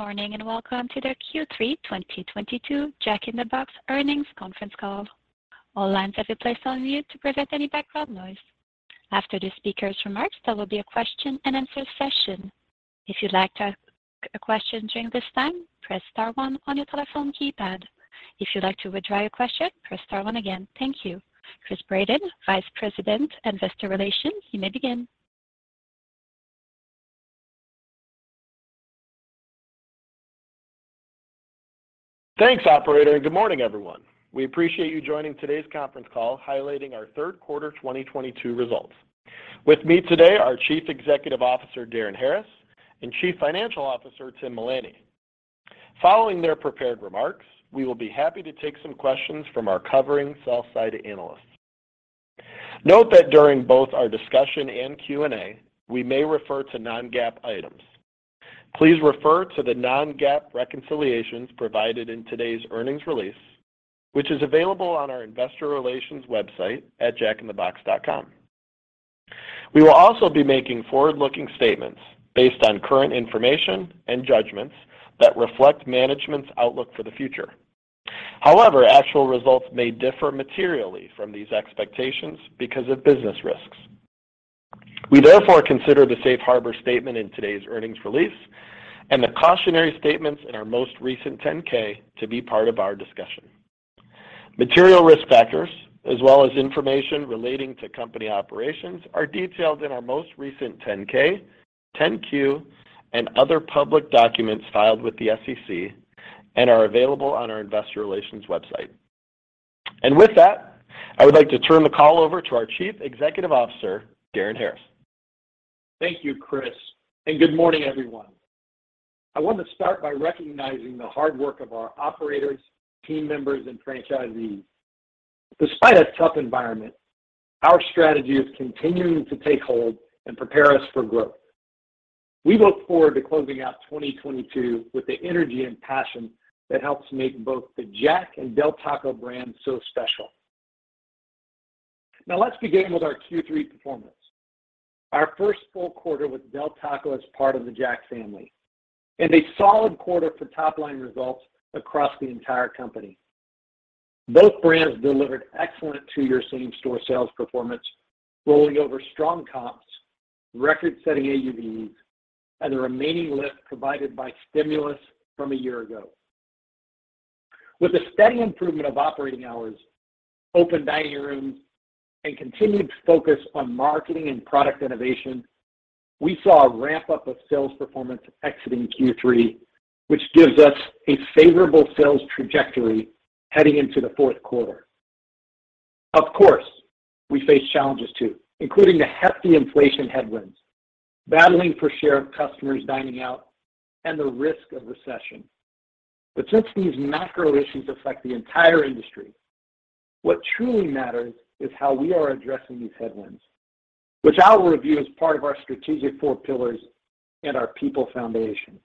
Good morning, and welcome to the Q3 2022 Jack in the Box earnings conference call. All lines have been placed on mute to prevent any background noise. After the speaker's remarks, there will be a question-and-answer session. If you'd like to ask a question during this time, press star one on your telephone keypad. If you'd like to withdraw your question, press star one again. Thank you. Chris Brandon, Vice President, Investor Relations, you may begin. Thanks, operator, and good morning, everyone. We appreciate you joining today's conference call highlighting our third quarter 2022 results. With me today are Chief Executive Officer Darin Harris and Chief Financial Officer Tim Mullany. Following their prepared remarks, we will be happy to take some questions from our covering sell-side analysts. Note that during both our discussion and Q&A, we may refer to non-GAAP items. Please refer to the non-GAAP reconciliations provided in today's earnings release, which is available on our investor relations website at jackinthebox.com. We will also be making forward-looking statements based on current information and judgments that reflect management's outlook for the future. However, actual results may differ materially from these expectations because of business risks. We therefore consider the safe harbor statement in today's earnings release and the cautionary statements in our most recent 10-K to be part of our discussion. Material risk factors as well as information relating to company operations are detailed in our most recent 10-K, 10-Q, and other public documents filed with the SEC and are available on our investor relations website. With that, I would like to turn the call over to our Chief Executive Officer, Darin Harris. Thank you, Chris, and good morning, everyone. I want to start by recognizing the hard work of our operators, team members, and franchisees. Despite a tough environment, our strategy is continuing to take hold and prepare us for growth. We look forward to closing out 2022 with the energy and passion that helps make both the Jack and Del Taco brand so special. Now let's begin with our Q3 performance. Our first full quarter with Del Taco as part of the Jack family, and a solid quarter for top-line results across the entire company. Both brands delivered excellent two-year same store sales performance, rolling over strong comps, record setting AUVs, and the remaining lift provided by stimulus from a year ago. With a steady improvement of operating hours, open dining rooms, and continued focus on marketing and product innovation, we saw a ramp-up of sales performance exiting Q3, which gives us a favorable sales trajectory heading into the fourth quarter. Of course, we face challenges too, including the hefty inflation headwinds, battling for share of customers dining out, and the risk of recession. Since these macro issues affect the entire industry, what truly matters is how we are addressing these headwinds, which I will review as part of our strategic four pillars and our people foundation.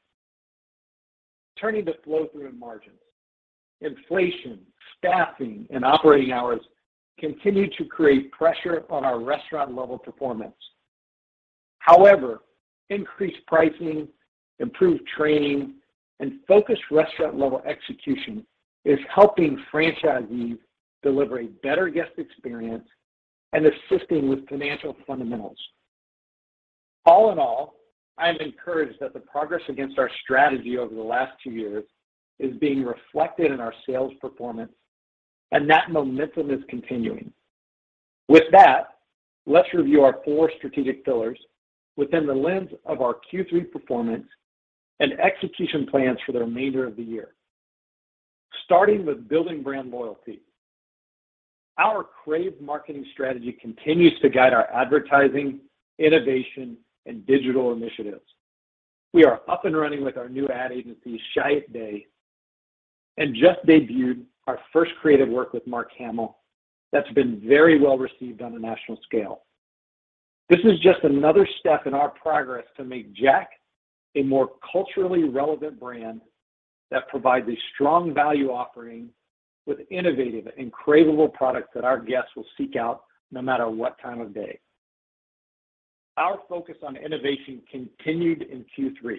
Turning to flow through and margins. Inflation, staffing, and operating hours continue to create pressure on our restaurant level performance. However, increased pricing, improved training, and focused restaurant level execution is helping franchisees deliver a better guest experience and assisting with financial fundamentals. All in all, I am encouraged that the progress against our strategy over the last two years is being reflected in our sales performance, and that momentum is continuing. With that, let's review our four strategic pillars within the lens of our Q3 performance and execution plans for the remainder of the year. Starting with building brand loyalty. Our Crave marketing strategy continues to guide our advertising, innovation, and digital initiatives. We are up and running with our new ad agency, Chiat\Day, and just debuted our first creative work with Mark Hamill that's been very well-received on a national scale. This is just another step in our progress to make Jack a more culturally relevant brand that provides a strong value offering with innovative and craveable products that our guests will seek out no matter what time of day. Our focus on innovation continued in Q3,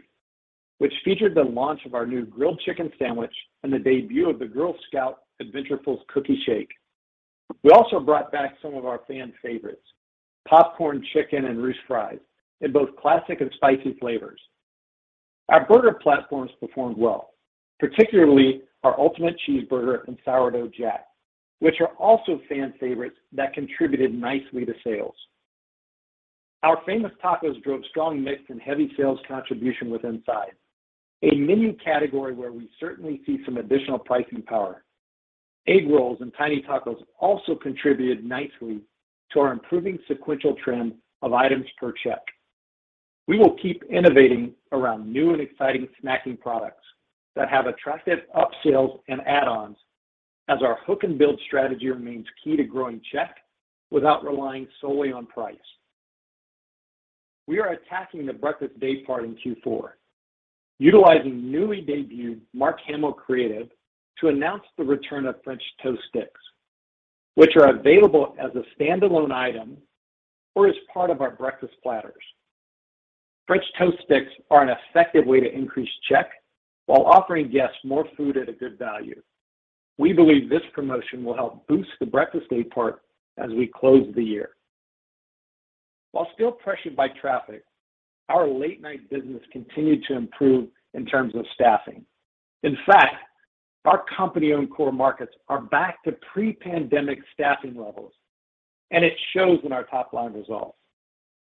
which featured the launch of our new grilled chicken sandwich and the debut of the Girl Scout Adventurefuls Caramel Brownie Shake. We also brought back some of our fan favorites, Popcorn Chicken and Curly Fries in both classic and spicy flavors. Our burger platforms performed well, particularly our Ultimate Cheeseburger and Sourdough Jack, which are also fan favorites that contributed nicely to sales. Our famous tacos drove strong mix and heavy sales contribution within sides, a menu category where we certainly see some additional pricing power. Egg rolls and Tiny Tacos also contributed nicely to our improving sequential trend of items per check. We will keep innovating around new and exciting snacking products that have attractive upsales and add-ons as our hook and build strategy remains key to growing check without relying solely on price. We are attacking the breakfast day part in Q4, utilizing newly debuted Mark Hamill creative to announce the return of French Toast Sticks, which are available as a standalone item or as part of our breakfast platters. French Toast Sticks are an effective way to increase check while offering guests more food at a good value. We believe this promotion will help boost the breakfast day part as we close the year. While still pressured by traffic, our late night business continued to improve in terms of staffing. In fact, our company-owned core markets are back to pre-pandemic staffing levels, and it shows in our top line results.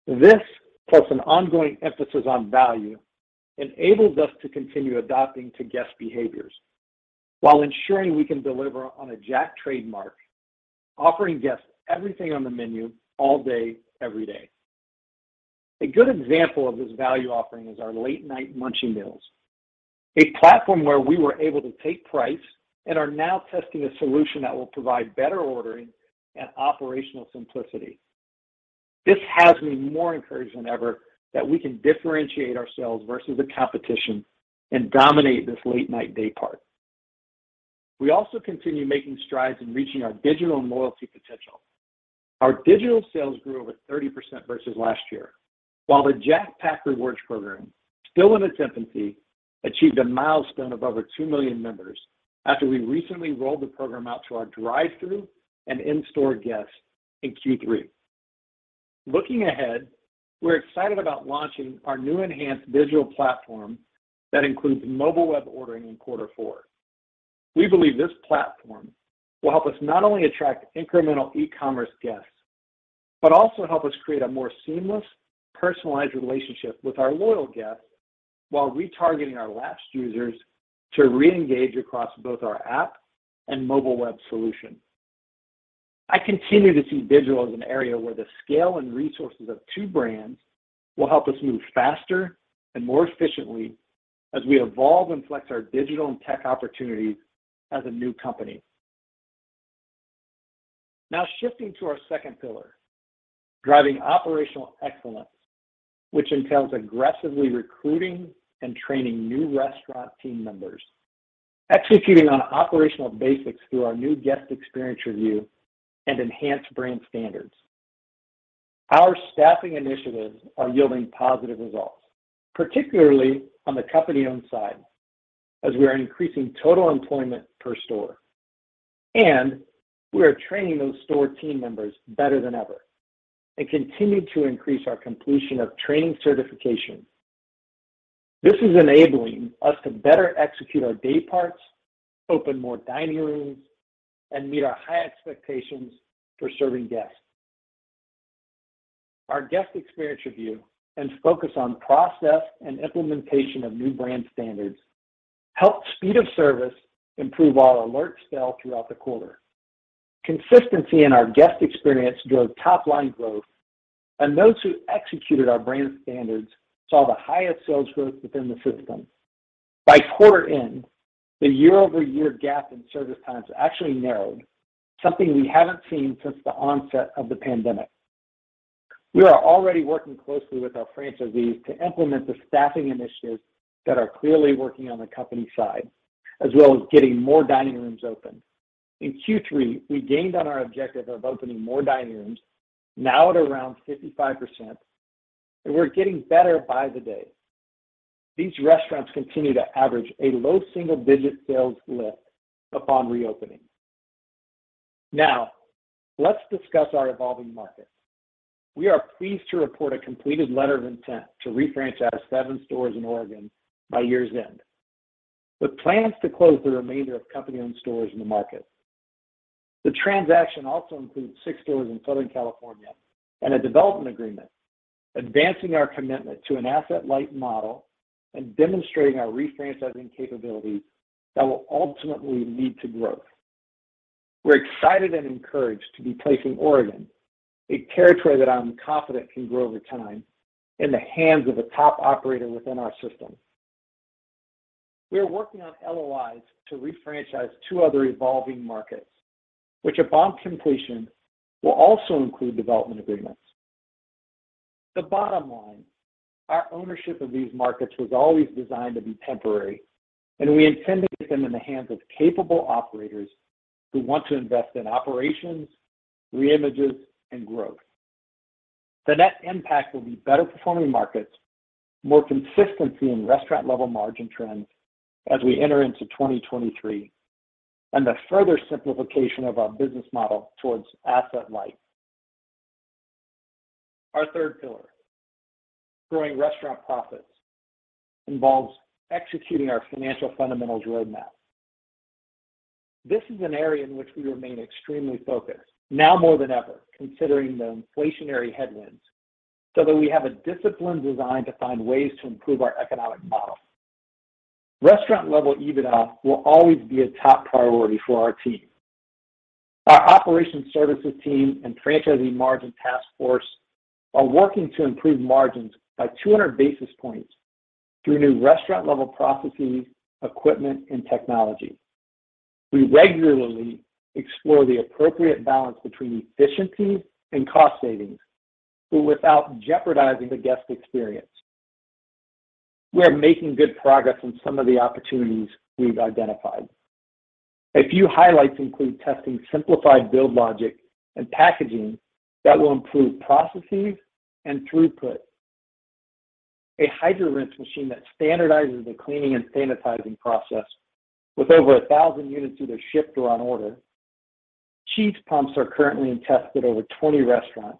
This plus an ongoing emphasis on value enables us to continue adapting to guest behaviors while ensuring we can deliver on a Jack trademark, offering guests everything on the menu all day, every day. A good example of this value offering is our late night Munchie Meals, a platform where we were able to take price and are now testing a solution that will provide better ordering and operational simplicity. This has me more encouraged than ever that we can differentiate ourselves versus the competition and dominate this late night day part. We also continue making strides in reaching our digital and loyalty potential. Our digital sales grew over 30% versus last year. While the Jack Pack rewards program, still in its infancy, achieved a milestone of over 2 million members after we recently rolled the program out to our drive-thru and in-store guests in Q3. Looking ahead, we're excited about launching our new enhanced digital platform that includes mobile web ordering in quarter four. We believe this platform will help us not only attract incremental e-commerce guests, but also help us create a more seamless, personalized relationship with our loyal guests while retargeting our lapsed users to reengage across both our app and mobile web solution. I continue to see digital as an area where the scale and resources of two brands will help us move faster and more efficiently as we evolve and flex our digital and tech opportunities as a new company. Now shifting to our second pillar, driving operational excellence, which entails aggressively recruiting and training new restaurant team members, executing on operational basics through our new guest experience review and enhanced brand standards. Our staffing initiatives are yielding positive results, particularly on the company-owned side as we are increasing total employment per store, and we are training those store team members better than ever and continue to increase our completion of training certification. This is enabling us to better execute our day parts, open more dining rooms, and meet our high expectations for serving guests. Our guest experience review and focus on process and implementation of new brand standards help speed of service improve our throughput throughout the quarter. Consistency in our guest experience drove top line growth, and those who executed our brand standards saw the highest sales growth within the system. By quarter end, the year-over-year gap in service times actually narrowed, something we haven't seen since the onset of the pandemic. We are already working closely with our franchisees to implement the staffing initiatives that are clearly working on the company side, as well as getting more dining rooms open. In Q3, we gained on our objective of opening more dining rooms now at around 55%, and we're getting better by the day. These restaurants continue to average a low single-digit sales lift upon reopening. Now, let's discuss our evolving market. We are pleased to report a completed letter of intent to refranchise seven stores in Oregon by year's end with plans to close the remainder of company-owned stores in the market. The transaction also includes six stores in Southern California and a development agreement, advancing our commitment to an asset light model and demonstrating our refranchising capabilities that will ultimately lead to growth. We're excited and encouraged to be placing Oregon, a territory that I'm confident can grow over time, in the hands of a top operator within our system. We are working on LOIs to refranchise two other evolving markets, which upon completion, will also include development agreements. The bottom line, our ownership of these markets was always designed to be temporary, and we intended to get them in the hands of capable operators who want to invest in operations, reimages, and growth. The net impact will be better performing markets, more consistency in restaurant-level margin trends as we enter into 2023, and the further simplification of our business model towards asset light. Our third pillar, growing restaurant profits, involves executing our financial fundamentals roadmap. This is an area in which we remain extremely focused now more than ever, considering the inflationary headwinds, so that we have a discipline designed to find ways to improve our economic model. Restaurant-level EBITDA will always be a top priority for our team. Our operations services team and franchisee margin task force are working to improve margins by 200 basis points through new restaurant-level processes, equipment, and technology. We regularly explore the appropriate balance between efficiency and cost savings without jeopardizing the guest experience. We are making good progress on some of the opportunities we've identified. A few highlights include testing simplified build logic and packaging that will improve processes and throughput. A Hydra Rinse machine that standardizes the cleaning and sanitizing process with over 1,000 units either shipped or on order. Cheese pumps are currently in test at over 20 restaurants,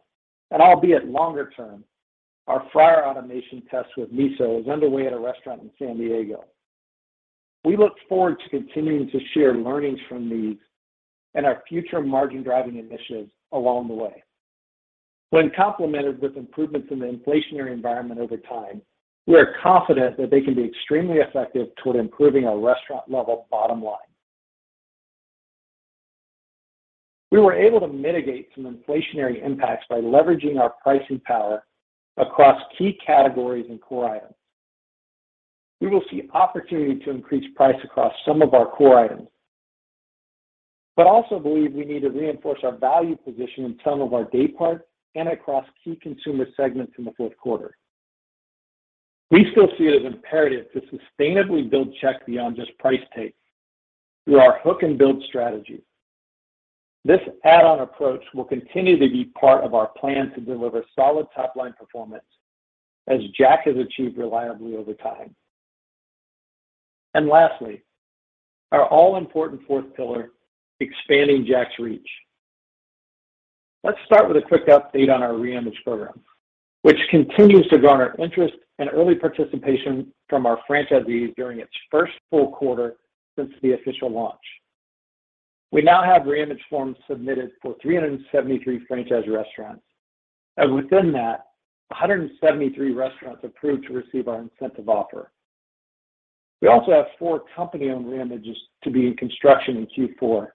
and albeit longer-term, our fryer automation test with Miso is underway at a restaurant in San Diego. We look forward to continuing to share learnings from these and our future margin-driving initiatives along the way. When complemented with improvements in the inflationary environment over time, we are confident that they can be extremely effective toward improving our restaurant level bottom line. We were able to mitigate some inflationary impacts by leveraging our pricing power across key categories and core items. We will see opportunity to increase price across some of our core items, but also believe we need to reinforce our value position in some of our day parts and across key consumer segments in the fourth quarter. We still see it as imperative to sustainably build check beyond just price take through our hook and build strategy. This add-on approach will continue to be part of our plan to deliver solid top-line performance as Jack has achieved reliably over time. Lastly, our all-important fourth pillar, expanding Jack's reach. Let's start with a quick update on our reimage program, which continues to garner interest and early participation from our franchisees during its first full quarter since the official launch. We now have reimage forms submitted for 373 franchise restaurants. Within that, 173 restaurants approved to receive our incentive offer. We also have four company-owned reimages to be in construction in Q4,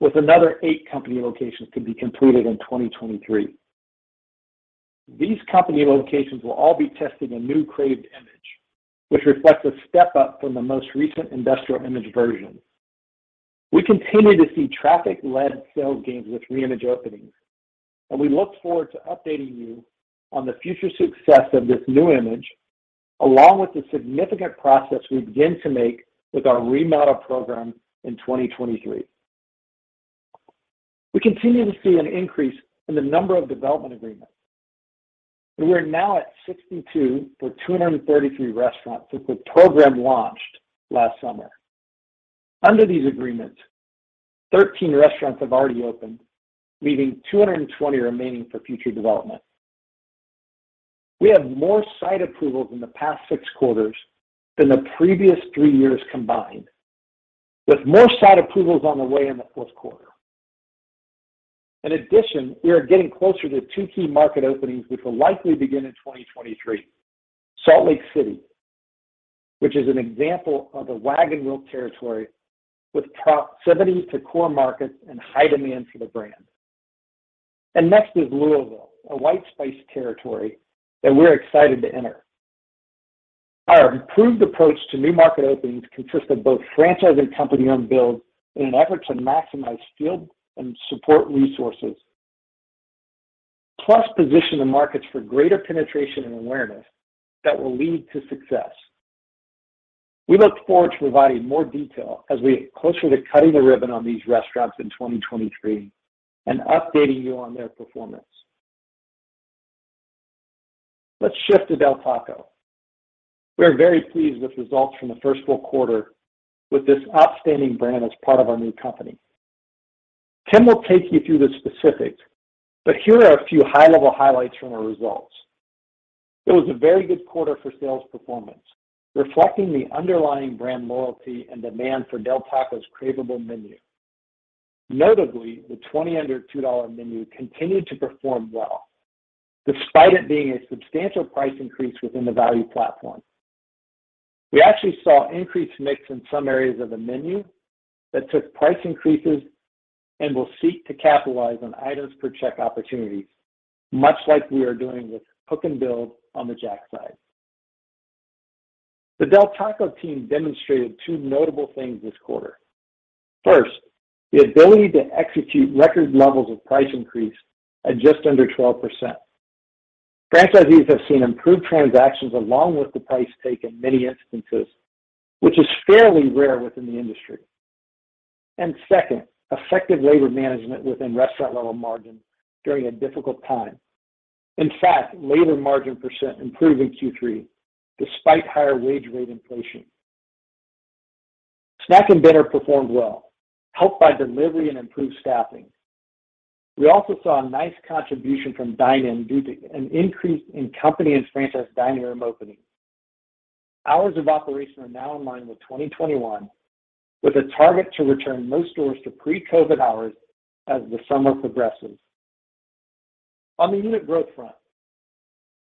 with another eight company locations to be completed in 2023. These company locations will all be testing a new craved image, which reflects a step up from the most recent industrial image version. We continue to see traffic-led sales gains with reimage openings, and we look forward to updating you on the future success of this new image, along with the significant progress we begin to make with our remodel program in 2023. We continue to see an increase in the number of development agreements. We are now at 62 for 233 restaurants since the program launched last summer. Under these agreements, 13 restaurants have already opened, leaving 220 remaining for future development. We have more site approvals in the past six quarters than the previous three years combined, with more site approvals on the way in the fourth quarter. In addition, we are getting closer to two key market openings, which will likely begin in 2023. Salt Lake City, which is an example of a wagon wheel territory with proximity to core markets and high demand for the brand. Next is Louisville, a white space territory that we're excited to enter. Our improved approach to new market openings consists of both franchise and company-owned builds in an effort to maximize field and support resources, plus position the markets for greater penetration and awareness that will lead to success. We look forward to providing more detail as we get closer to cutting the ribbon on these restaurants in 2023 and updating you on their performance. Let's shift to Del Taco. We are very pleased with results from the first full quarter with this outstanding brand as part of our new company. Tim will take you through the specifics, but here are a few high-level highlights from our results. It was a very good quarter for sales performance, reflecting the underlying brand loyalty and demand for Del Taco's craveable menu. Notably, the 20 Under $2 menu continued to perform well, despite it being a substantial price increase within the value platform. We actually saw increased mix in some areas of the menu that took price increases and will seek to capitalize on items per check opportunities, much like we are doing with hook and build on the Jack side. The Del Taco team demonstrated two notable things this quarter. First, the ability to execute record levels of price increase at just under 12%. Franchisees have seen improved transactions along with the price take in many instances, which is fairly rare within the industry. Second, effective labor management within restaurant-level margin during a difficult time. In fact, labor margin % improved in Q3 despite higher wage rate inflation. Snack and dinner performed well, helped by delivery and improved staffing. We also saw a nice contribution from dine-in due to an increase in company and franchise dining room openings. Hours of operation are now in line with 2021, with a target to return most stores to pre-COVID hours as the summer progresses. On the unit growth front,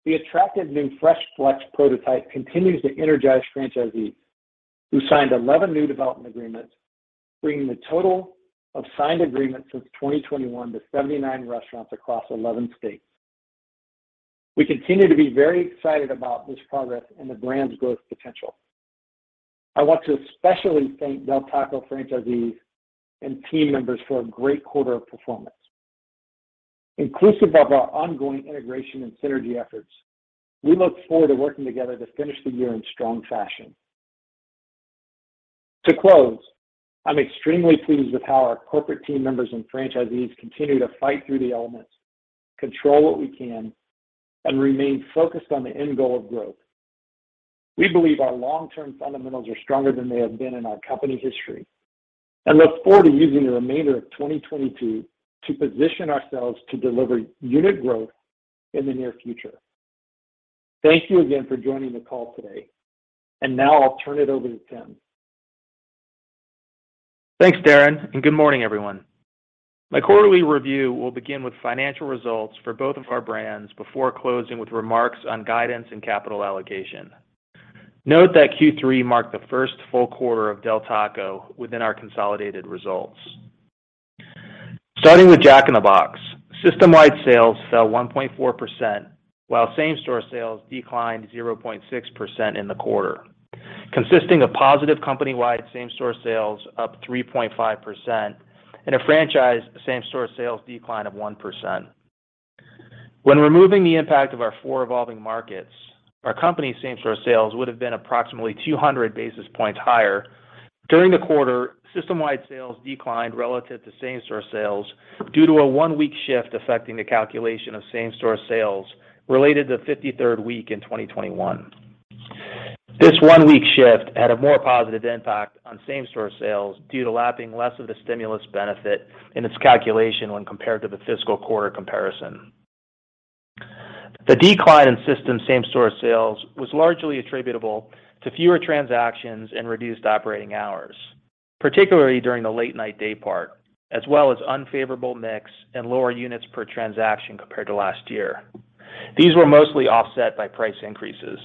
the attractive new Fresh Flex prototype continues to energize franchisees who signed 11 new development agreements, bringing the total of signed agreements since 2021 to 79 restaurants across 11 states. We continue to be very excited about this progress and the brand's growth potential. I want to especially thank Del Taco franchisees and team members for a great quarter of performance. Inclusive of our ongoing integration and synergy efforts, we look forward to working together to finish the year in strong fashion. To close, I'm extremely pleased with how our corporate team members and franchisees continue to fight through the elements, control what we can, and remain focused on the end goal of growth. We believe our long-term fundamentals are stronger than they have been in our company history, and look forward to using the remainder of 2022 to position ourselves to deliver unit growth in the near future. Thank you again for joining the call today. Now I'll turn it over to Tim. Thanks, Darin, and good morning, everyone. My quarterly review will begin with financial results for both of our brands before closing with remarks on guidance and capital allocation. Note that Q3 marked the first full quarter of Del Taco within our consolidated results. Starting with Jack in the Box, system-wide sales fell 1.4%, while same-store sales declined 0.6% in the quarter, consisting of positive company-wide same-store sales up 3.5% and a franchise same-store sales decline of 1%. When removing the impact of our four evolving markets, our company same-store sales would have been approximately 200 basis points higher. During the quarter, system-wide sales declined relative to same-store sales due to a one-week shift affecting the calculation of same-store sales related to the 53rd week in 2021. This one-week shift had a more positive impact on same-store sales due to lapping less of the stimulus benefit in its calculation when compared to the fiscal quarter comparison. The decline in system same-store sales was largely attributable to fewer transactions and reduced operating hours, particularly during the late night day part, as well as unfavorable mix and lower units per transaction compared to last year. These were mostly offset by price increases.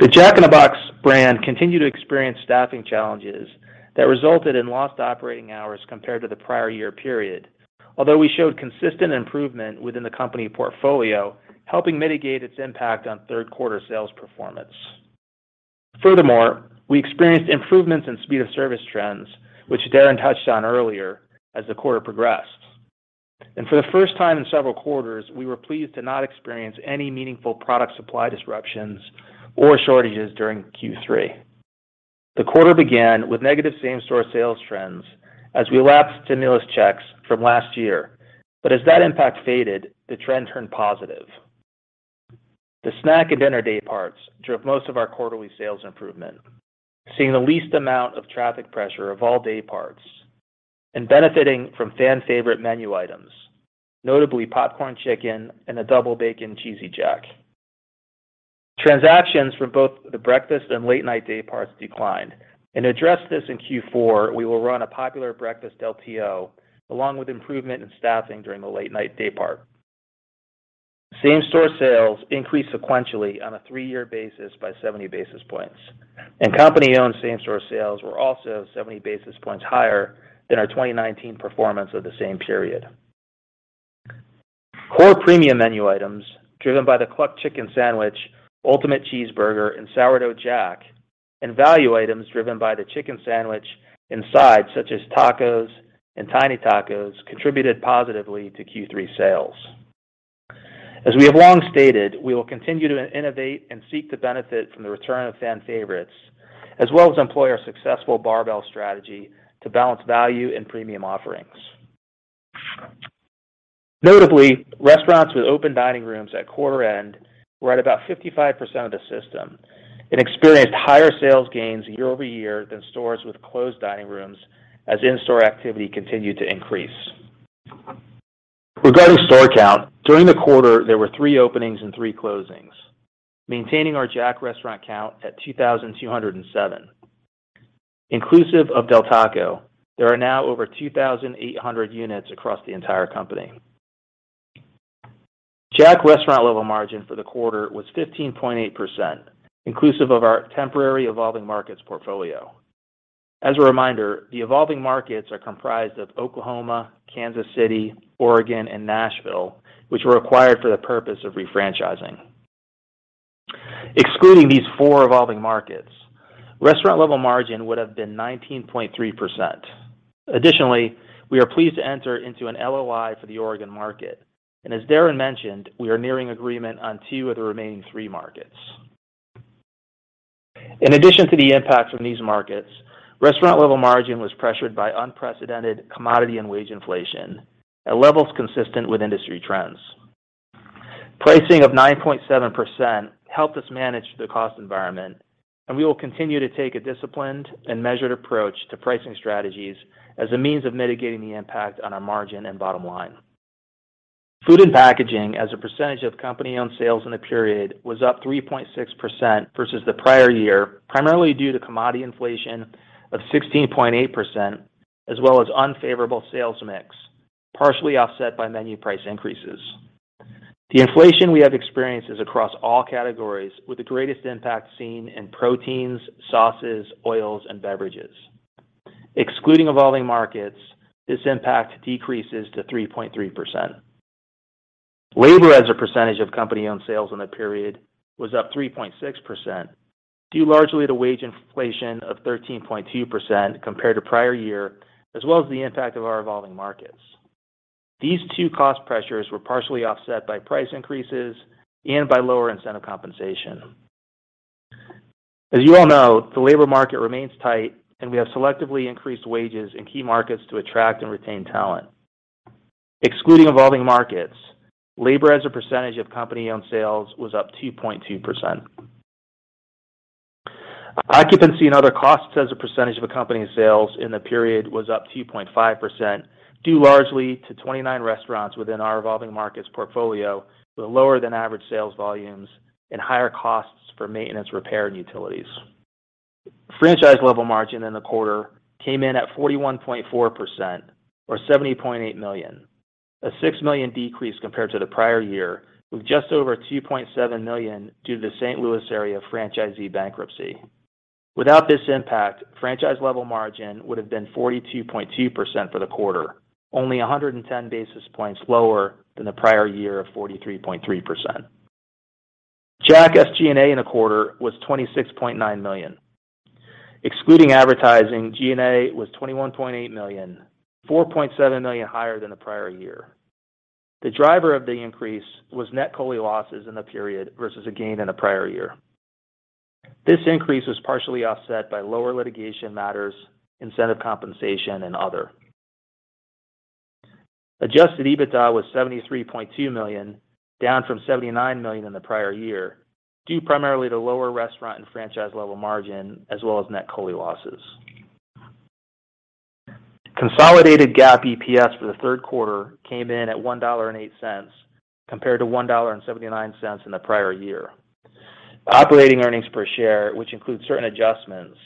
The Jack in the Box brand continued to experience staffing challenges that resulted in lost operating hours compared to the prior year period, although we showed consistent improvement within the company portfolio, helping mitigate its impact on third quarter sales performance. Furthermore, we experienced improvements in speed of service trends, which Darin Harris touched on earlier, as the quarter progressed. For the first time in several quarters, we were pleased to not experience any meaningful product supply disruptions or shortages during Q3. The quarter began with negative same-store sales trends as we lapsed stimulus checks from last year. As that impact faded, the trend turned positive. The snack and dinner day parts drove most of our quarterly sales improvement, seeing the least amount of traffic pressure of all day parts and benefiting from fan favorite menu items, notably Popcorn Chicken and the Double Bacon Cheesy Jack. Transactions for both the breakfast and late night day parts declined. To address this in Q4, we will run a popular breakfast LTO along with improvement in staffing during the late night day part. Same-store sales increased sequentially on a three-year basis by 70 basis points, and company-owned same-store sales were also 70 basis points higher than our 2019 performance of the same period. Core premium menu items driven by the Cluck Sandwich, Ultimate Cheeseburger, and Sourdough Jack, and value items driven by the Chicken Sandwich and sides such as tacos and Tiny Tacos contributed positively to Q3 sales. As we have long stated, we will continue to innovate and seek to benefit from the return of fan favorites, as well as employ our successful barbell strategy to balance value and premium offerings. Notably, restaurants with open dining rooms at quarter end were at about 55% of the system and experienced higher sales gains year-over-year than stores with closed dining rooms as in-store activity continued to increase. Regarding store count, during the quarter, there were three openings and three closings, maintaining our Jack restaurant count at 2,007. Inclusive of Del Taco, there are now over 2,800 units across the entire company. Jack restaurant level margin for the quarter was 15.8%, inclusive of our temporary evolving markets portfolio. As a reminder, the evolving markets are comprised of Oklahoma, Kansas City, Oregon, and Nashville, which were acquired for the purpose of refranchising. Excluding these four evolving markets, restaurant level margin would have been 19.3%. Additionally, we are pleased to enter into an LOI for the Oregon market. As Darin mentioned, we are nearing agreement on two of the remaining three markets. In addition to the impact from these markets, restaurant level margin was pressured by unprecedented commodity and wage inflation at levels consistent with industry trends. Pricing of 9.7% helped us manage the cost environment, and we will continue to take a disciplined and measured approach to pricing strategies as a means of mitigating the impact on our margin and bottom line. Food and packaging as a percentage of company-owned sales in the period was up 3.6% versus the prior year, primarily due to commodity inflation of 16.8%, as well as unfavorable sales mix, partially offset by menu price increases. The inflation we have experienced is across all categories, with the greatest impact seen in proteins, sauces, oils, and beverages. Excluding evolving markets, this impact decreases to 3.3%. Labor as a percentage of company-owned sales in the period was up 3.6%, due largely to wage inflation of 13.2% compared to prior year, as well as the impact of our evolving markets. These two cost pressures were partially offset by price increases and by lower incentive compensation. As you all know, the labor market remains tight, and we have selectively increased wages in key markets to attract and retain talent. Excluding evolving markets, labor as a percentage of company-owned sales was up 2.2%. Occupancy and other costs as a percentage of a company's sales in the period was up 2.5%, due largely to 29 restaurants within our evolving markets portfolio with lower than average sales volumes and higher costs for maintenance, repair, and utilities. Franchise level margin in the quarter came in at 41.4% or $70.8 million, a $6 million decrease compared to the prior year, with just over $2.7 million due to the St. Louis area franchisee bankruptcy. Without this impact, franchise level margin would have been 42.2% for the quarter, only 110 basis points lower than the prior year of 43.3%. Jack SG&A in the quarter was $26.9 million. Excluding advertising, G&A was $21.8 million, $4.7 million higher than the prior year. The driver of the increase was net COLI losses in the period versus a gain in the prior year. This increase was partially offset by lower litigation matters, incentive compensation, and other. Adjusted EBITDA was $73.2 million, down from $79 million in the prior year, due primarily to lower restaurant and franchise level margin as well as net COLI losses. Consolidated GAAP EPS for the third quarter came in at $1.08, compared to $1.79 in the prior year. Operating earnings per share, which includes certain adjustments,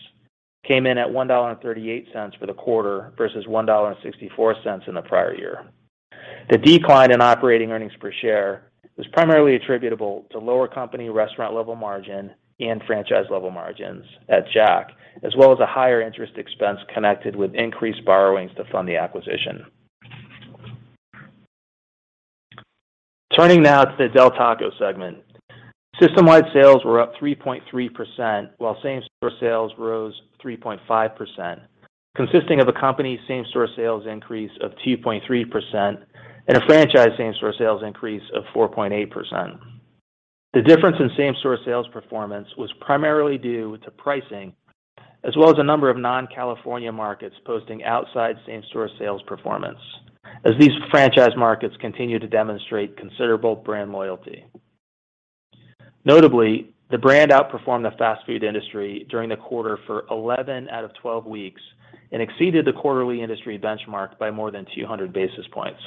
came in at $1.38 for the quarter versus $1.64 in the prior year. The decline in operating earnings per share was primarily attributable to lower company restaurant level margin and franchise level margins at Jack, as well as a higher interest expense connected with increased borrowings to fund the acquisition. Turning now to the Del Taco segment. System-wide sales were up 3.3%, while same-store sales rose 3.5%, consisting of a company same-store sales increase of 2.3% and a franchise same-store sales increase of 4.8%. The difference in same-store sales performance was primarily due to pricing, as well as a number of non-California markets posting outsize same-store sales performance, as these franchise markets continue to demonstrate considerable brand loyalty. Notably, the brand outperformed the fast food industry during the quarter for eleven out of twelve weeks and exceeded the quarterly industry benchmark by more than 200 basis points.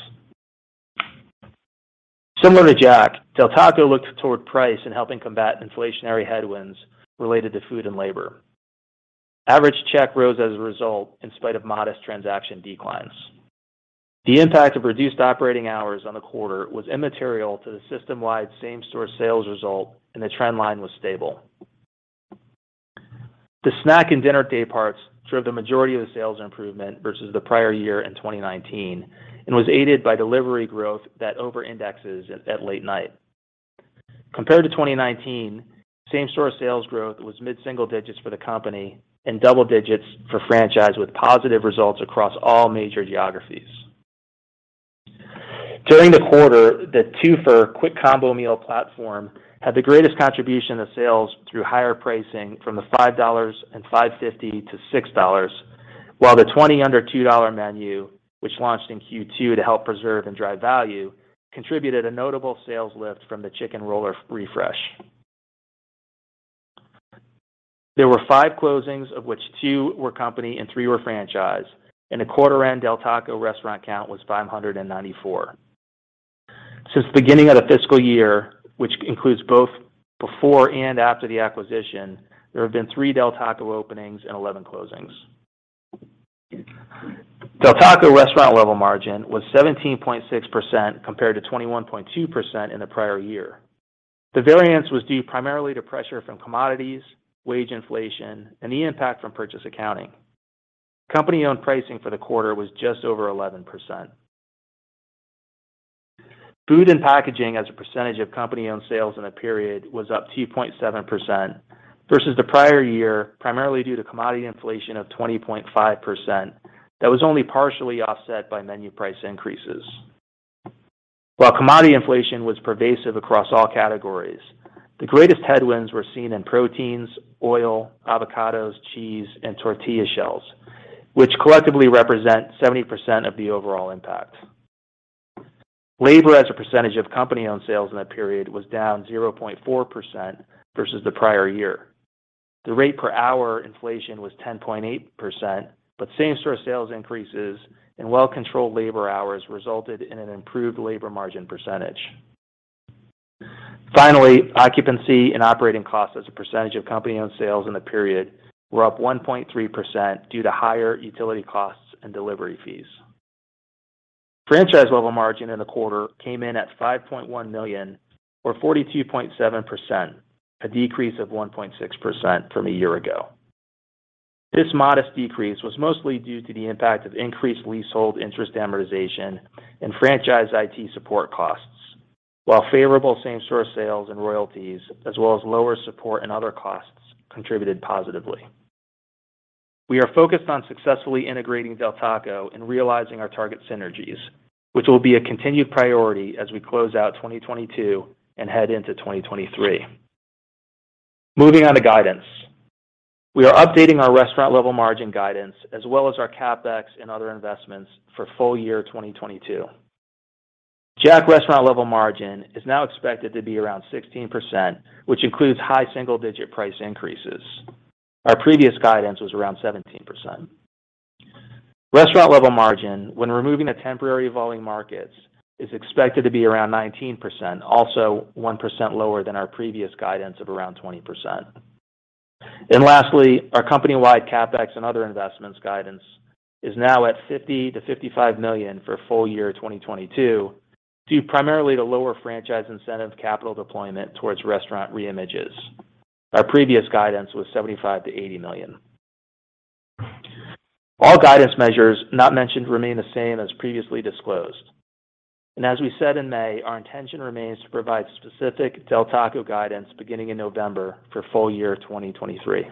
Similar to Jack, Del Taco looked toward price in helping combat inflationary headwinds related to food and labor. Average check rose as a result in spite of modest transaction declines. The impact of reduced operating hours on the quarter was immaterial to the system-wide same-store sales result, and the trend line was stable. The snack and dinner day parts drove the majority of the sales improvement versus the prior year in 2019 and was aided by delivery growth that overindexes at late night. Compared to 2019, same-store sales growth was mid-single digits for the company and double digits for franchise, with positive results across all major geographies. During the quarter, the two-fer quick combo meal platform had the greatest contribution to sales through higher pricing from the $5 and $5.50 to $6, while the 20 Under $2 menu, which launched in Q2 to help preserve and drive value, contributed a notable sales lift from the Chicken Roller Refresh. There were five closings, of which two were company and three were franchise, and the quarter-end Del Taco restaurant count was 594. Since the beginning of the fiscal year, which includes both before and after the acquisition, there have been three Del Taco openings and 11 closings. Del Taco restaurant level margin was 17.6% compared to 21.2% in the prior year. The variance was due primarily to pressure from commodities, wage inflation, and the impact from purchase accounting. Company-owned pricing for the quarter was just over 11%. Food and packaging as a percentage of company-owned sales in the period was up 2.7% versus the prior year, primarily due to commodity inflation of 20.5% that was only partially offset by menu price increases. While commodity inflation was pervasive across all categories, the greatest headwinds were seen in proteins, oil, avocados, cheese, and tortilla shells, which collectively represent 70% of the overall impact. Labor as a percentage of company-owned sales in the period was down 0.4% versus the prior year. The rate per hour inflation was 10.8%, but same-store sales increases and well-controlled labor hours resulted in an improved labor margin percentage. Finally, occupancy and operating costs as a percentage of company-owned sales in the period were up 1.3% due to higher utility costs and delivery fees. Franchise level margin in the quarter came in at $5.1 million or 42.7%, a decrease of 1.6% from a year ago. This modest decrease was mostly due to the impact of increased leasehold interest amortization and franchise IT support costs, while favorable same-store sales and royalties, as well as lower support and other costs contributed positively. We are focused on successfully integrating Del Taco and realizing our target synergies, which will be a continued priority as we close out 2022 and head into 2023. Moving on to guidance. We are updating our restaurant level margin guidance as well as our CapEx and other investments for full year 2022. Jack restaurant level margin is now expected to be around 16%, which includes high single digit price increases. Our previous guidance was around 17%. Restaurant level margin, when removing the temporary evolving markets, is expected to be around 19%, also 1% lower than our previous guidance of around 20%. Lastly, our company-wide CapEx and other investments guidance is now at $50-$55 million for full year 2022, due primarily to lower franchise incentive capital deployment towards restaurant re-images. Our previous guidance was $75-$80 million. All guidance measures not mentioned remain the same as previously disclosed. As we said in May, our intention remains to provide specific Del Taco guidance beginning in November for full year 2023.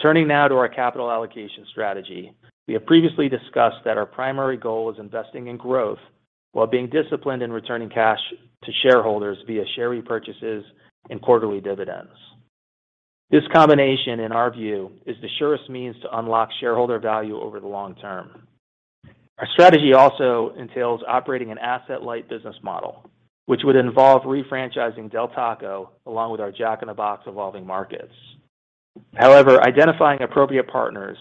Turning now to our capital allocation strategy. We have previously discussed that our primary goal is investing in growth while being disciplined in returning cash to shareholders via share repurchases and quarterly dividends. This combination, in our view, is the surest means to unlock shareholder value over the long term. Our strategy also entails operating an asset-light business model, which would involve refranchising Del Taco along with our Jack in the Box evolving markets. However, identifying appropriate partners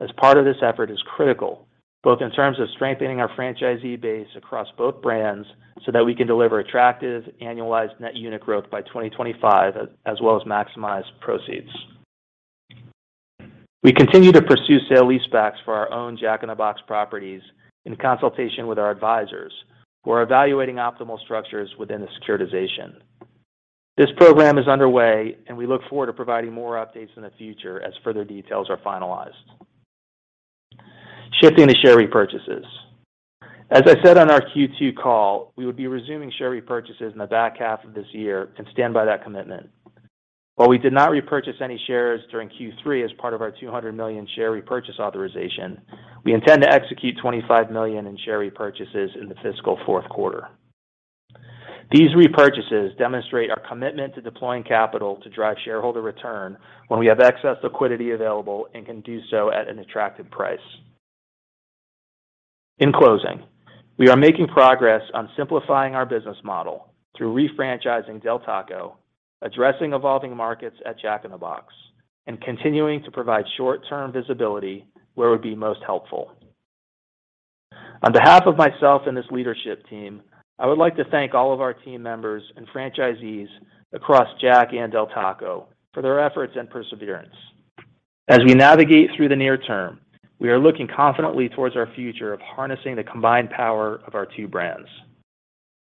as part of this effort is critical, both in terms of strengthening our franchisee base across both brands so that we can deliver attractive annualized net unit growth by 2025 as well as maximize proceeds. We continue to pursue sale-leasebacks for our own Jack in the Box properties in consultation with our advisors who are evaluating optimal structures within the securitization. This program is underway, and we look forward to providing more updates in the future as further details are finalized. Shifting to share repurchases. As I said on our Q2 call, we would be resuming share repurchases in the back half of this year and stand by that commitment. While we did not repurchase any shares during Q3 as part of our $200 million share repurchase authorization, we intend to execute $25 million in share repurchases in the fiscal fourth quarter. These repurchases demonstrate our commitment to deploying capital to drive shareholder return when we have excess liquidity available and can do so at an attractive price. In closing, we are making progress on simplifying our business model through refranchising Del Taco, addressing evolving markets at Jack in the Box, and continuing to provide short-term visibility where it would be most helpful. On behalf of myself and this leadership team, I would like to thank all of our team members and franchisees across Jack and Del Taco for their efforts and perseverance. As we navigate through the near term, we are looking confidently towards our future of harnessing the combined power of our two brands.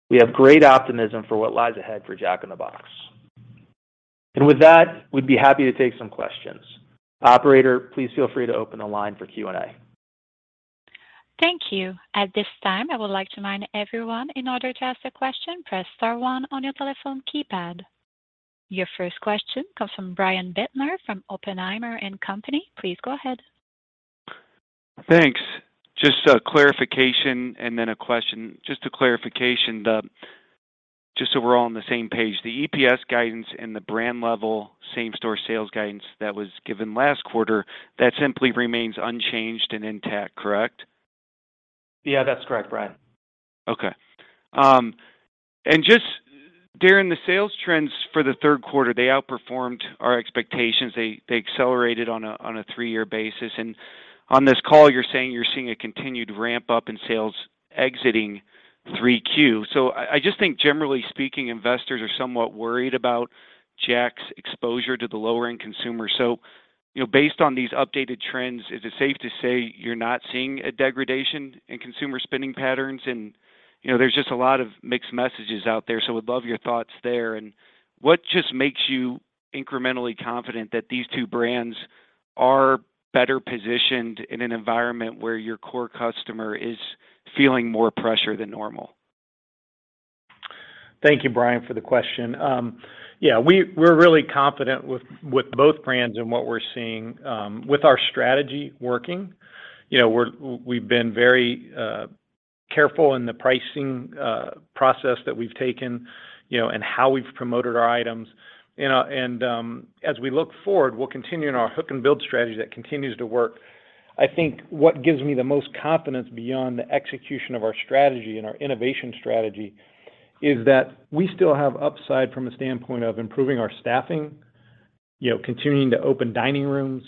We have great optimism for what lies ahead for Jack in the Box. With that, we'd be happy to take some questions. Operator, please feel free to open the line for Q&A. Thank you. At this time, I would like to remind everyone in order to ask a question, press star one on your telephone keypad. Your first question comes from Brian Bittner from Oppenheimer & Co. Please go ahead. Thanks. Just a clarification and then a question. Just a clarification, just so we're all on the same page. The EPS guidance and the brand level same-store sales guidance that was given last quarter, that simply remains unchanged and intact, correct? Yeah, that's correct, Brian. Okay. Just during the sales trends for the third quarter, they outperformed our expectations. They accelerated on a three-year basis. On this call, you're saying you're seeing a continued ramp up in sales exiting 3Q. I just think generally speaking, investors are somewhat worried about Jack's exposure to the lower end consumer. You know, based on these updated trends, is it safe to say you're not seeing a degradation in consumer spending patterns? You know, there's just a lot of mixed messages out there, so would love your thoughts there. What just makes you incrementally confident that these two brands are better positioned in an environment where your core customer is feeling more pressure than normal? Thank you, Brian, for the question. Yeah, we're really confident with both brands and what we're seeing with our strategy working. You know, we've been very careful in the pricing process that we've taken, you know, and how we've promoted our items. You know, and as we look forward, we're continuing our hook and build strategy that continues to work. I think what gives me the most confidence beyond the execution of our strategy and our innovation strategy is that we still have upside from a standpoint of improving our staffing, you know, continuing to open dining rooms.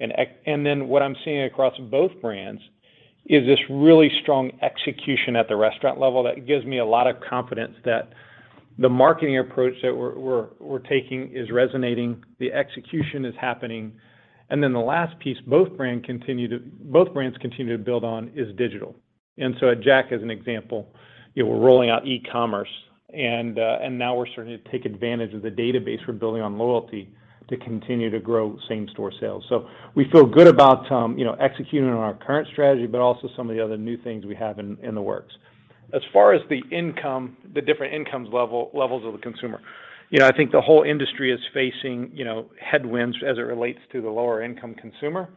What I'm seeing across both brands is this really strong execution at the restaurant level that gives me a lot of confidence that the marketing approach that we're taking is resonating, the execution is happening. The last piece both brands continue to build on is digital. At Jack, as an example, you know, we're rolling out e-commerce Now we're starting to take advantage of the database we're building on loyalty to continue to grow same-store sales. We feel good about, you know, executing on our current strategy, but also some of the other new things we have in the works. As far as the different income levels of the consumer, you know, I think the whole industry is facing, you know, headwinds as it relates to the lower income consumer.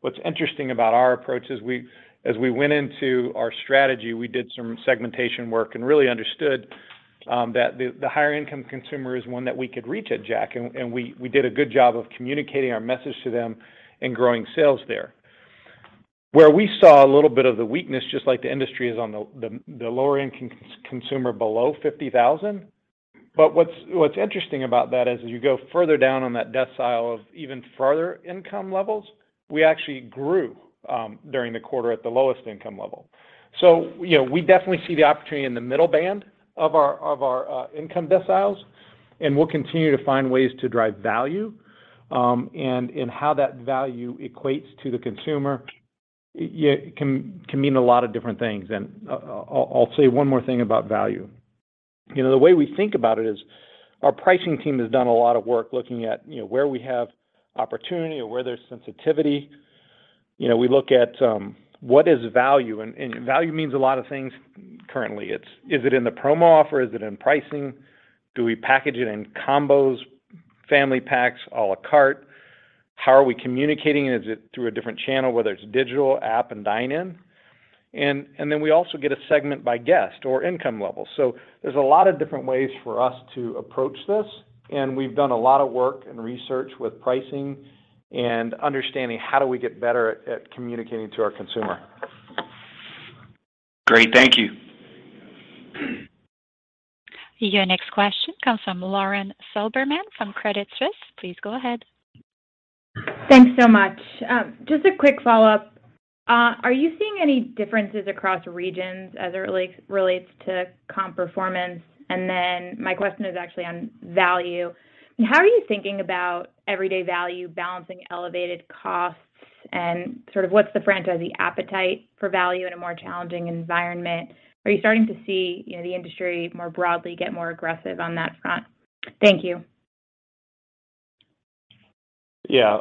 What's interesting about our approach is we, as we went into our strategy, we did some segmentation work and really understood that the higher income consumer is one that we could reach at Jack. We did a good job of communicating our message to them and growing sales there. Where we saw a little bit of the weakness, just like the industry, is on the lower income consumer below $50,000. What's interesting about that is as you go further down on that decile of even farther income levels, we actually grew during the quarter at the lowest income level. You know, we definitely see the opportunity in the middle band of our income deciles, and we'll continue to find ways to drive value. How that value equates to the consumer, it can mean a lot of different things. I'll say one more thing about value. You know, the way we think about it is our pricing team has done a lot of work looking at where we have opportunity or where there's sensitivity. You know, we look at what is value, and value means a lot of things currently. Is it in the promo offer? Is it in pricing? Do we package it in combos, family packs, à la carte? How are we communicating? Is it through a different channel, whether it's digital, app, and dine-in? We also get a segment by guest or income level. There's a lot of different ways for us to approach this, and we've done a lot of work and research with pricing and understanding how do we get better at communicating to our consumer. Great. Thank you. Your next question comes from Lauren Silberman from Credit Suisse. Please go ahead. Thanks so much. Just a quick follow-up. Are you seeing any differences across regions as it relates to comp performance? My question is actually on value. How are you thinking about everyday value balancing elevated costs and sort of what's the franchisee appetite for value in a more challenging environment? Are you starting to see, you know, the industry more broadly get more aggressive on that front? Thank you. Yeah.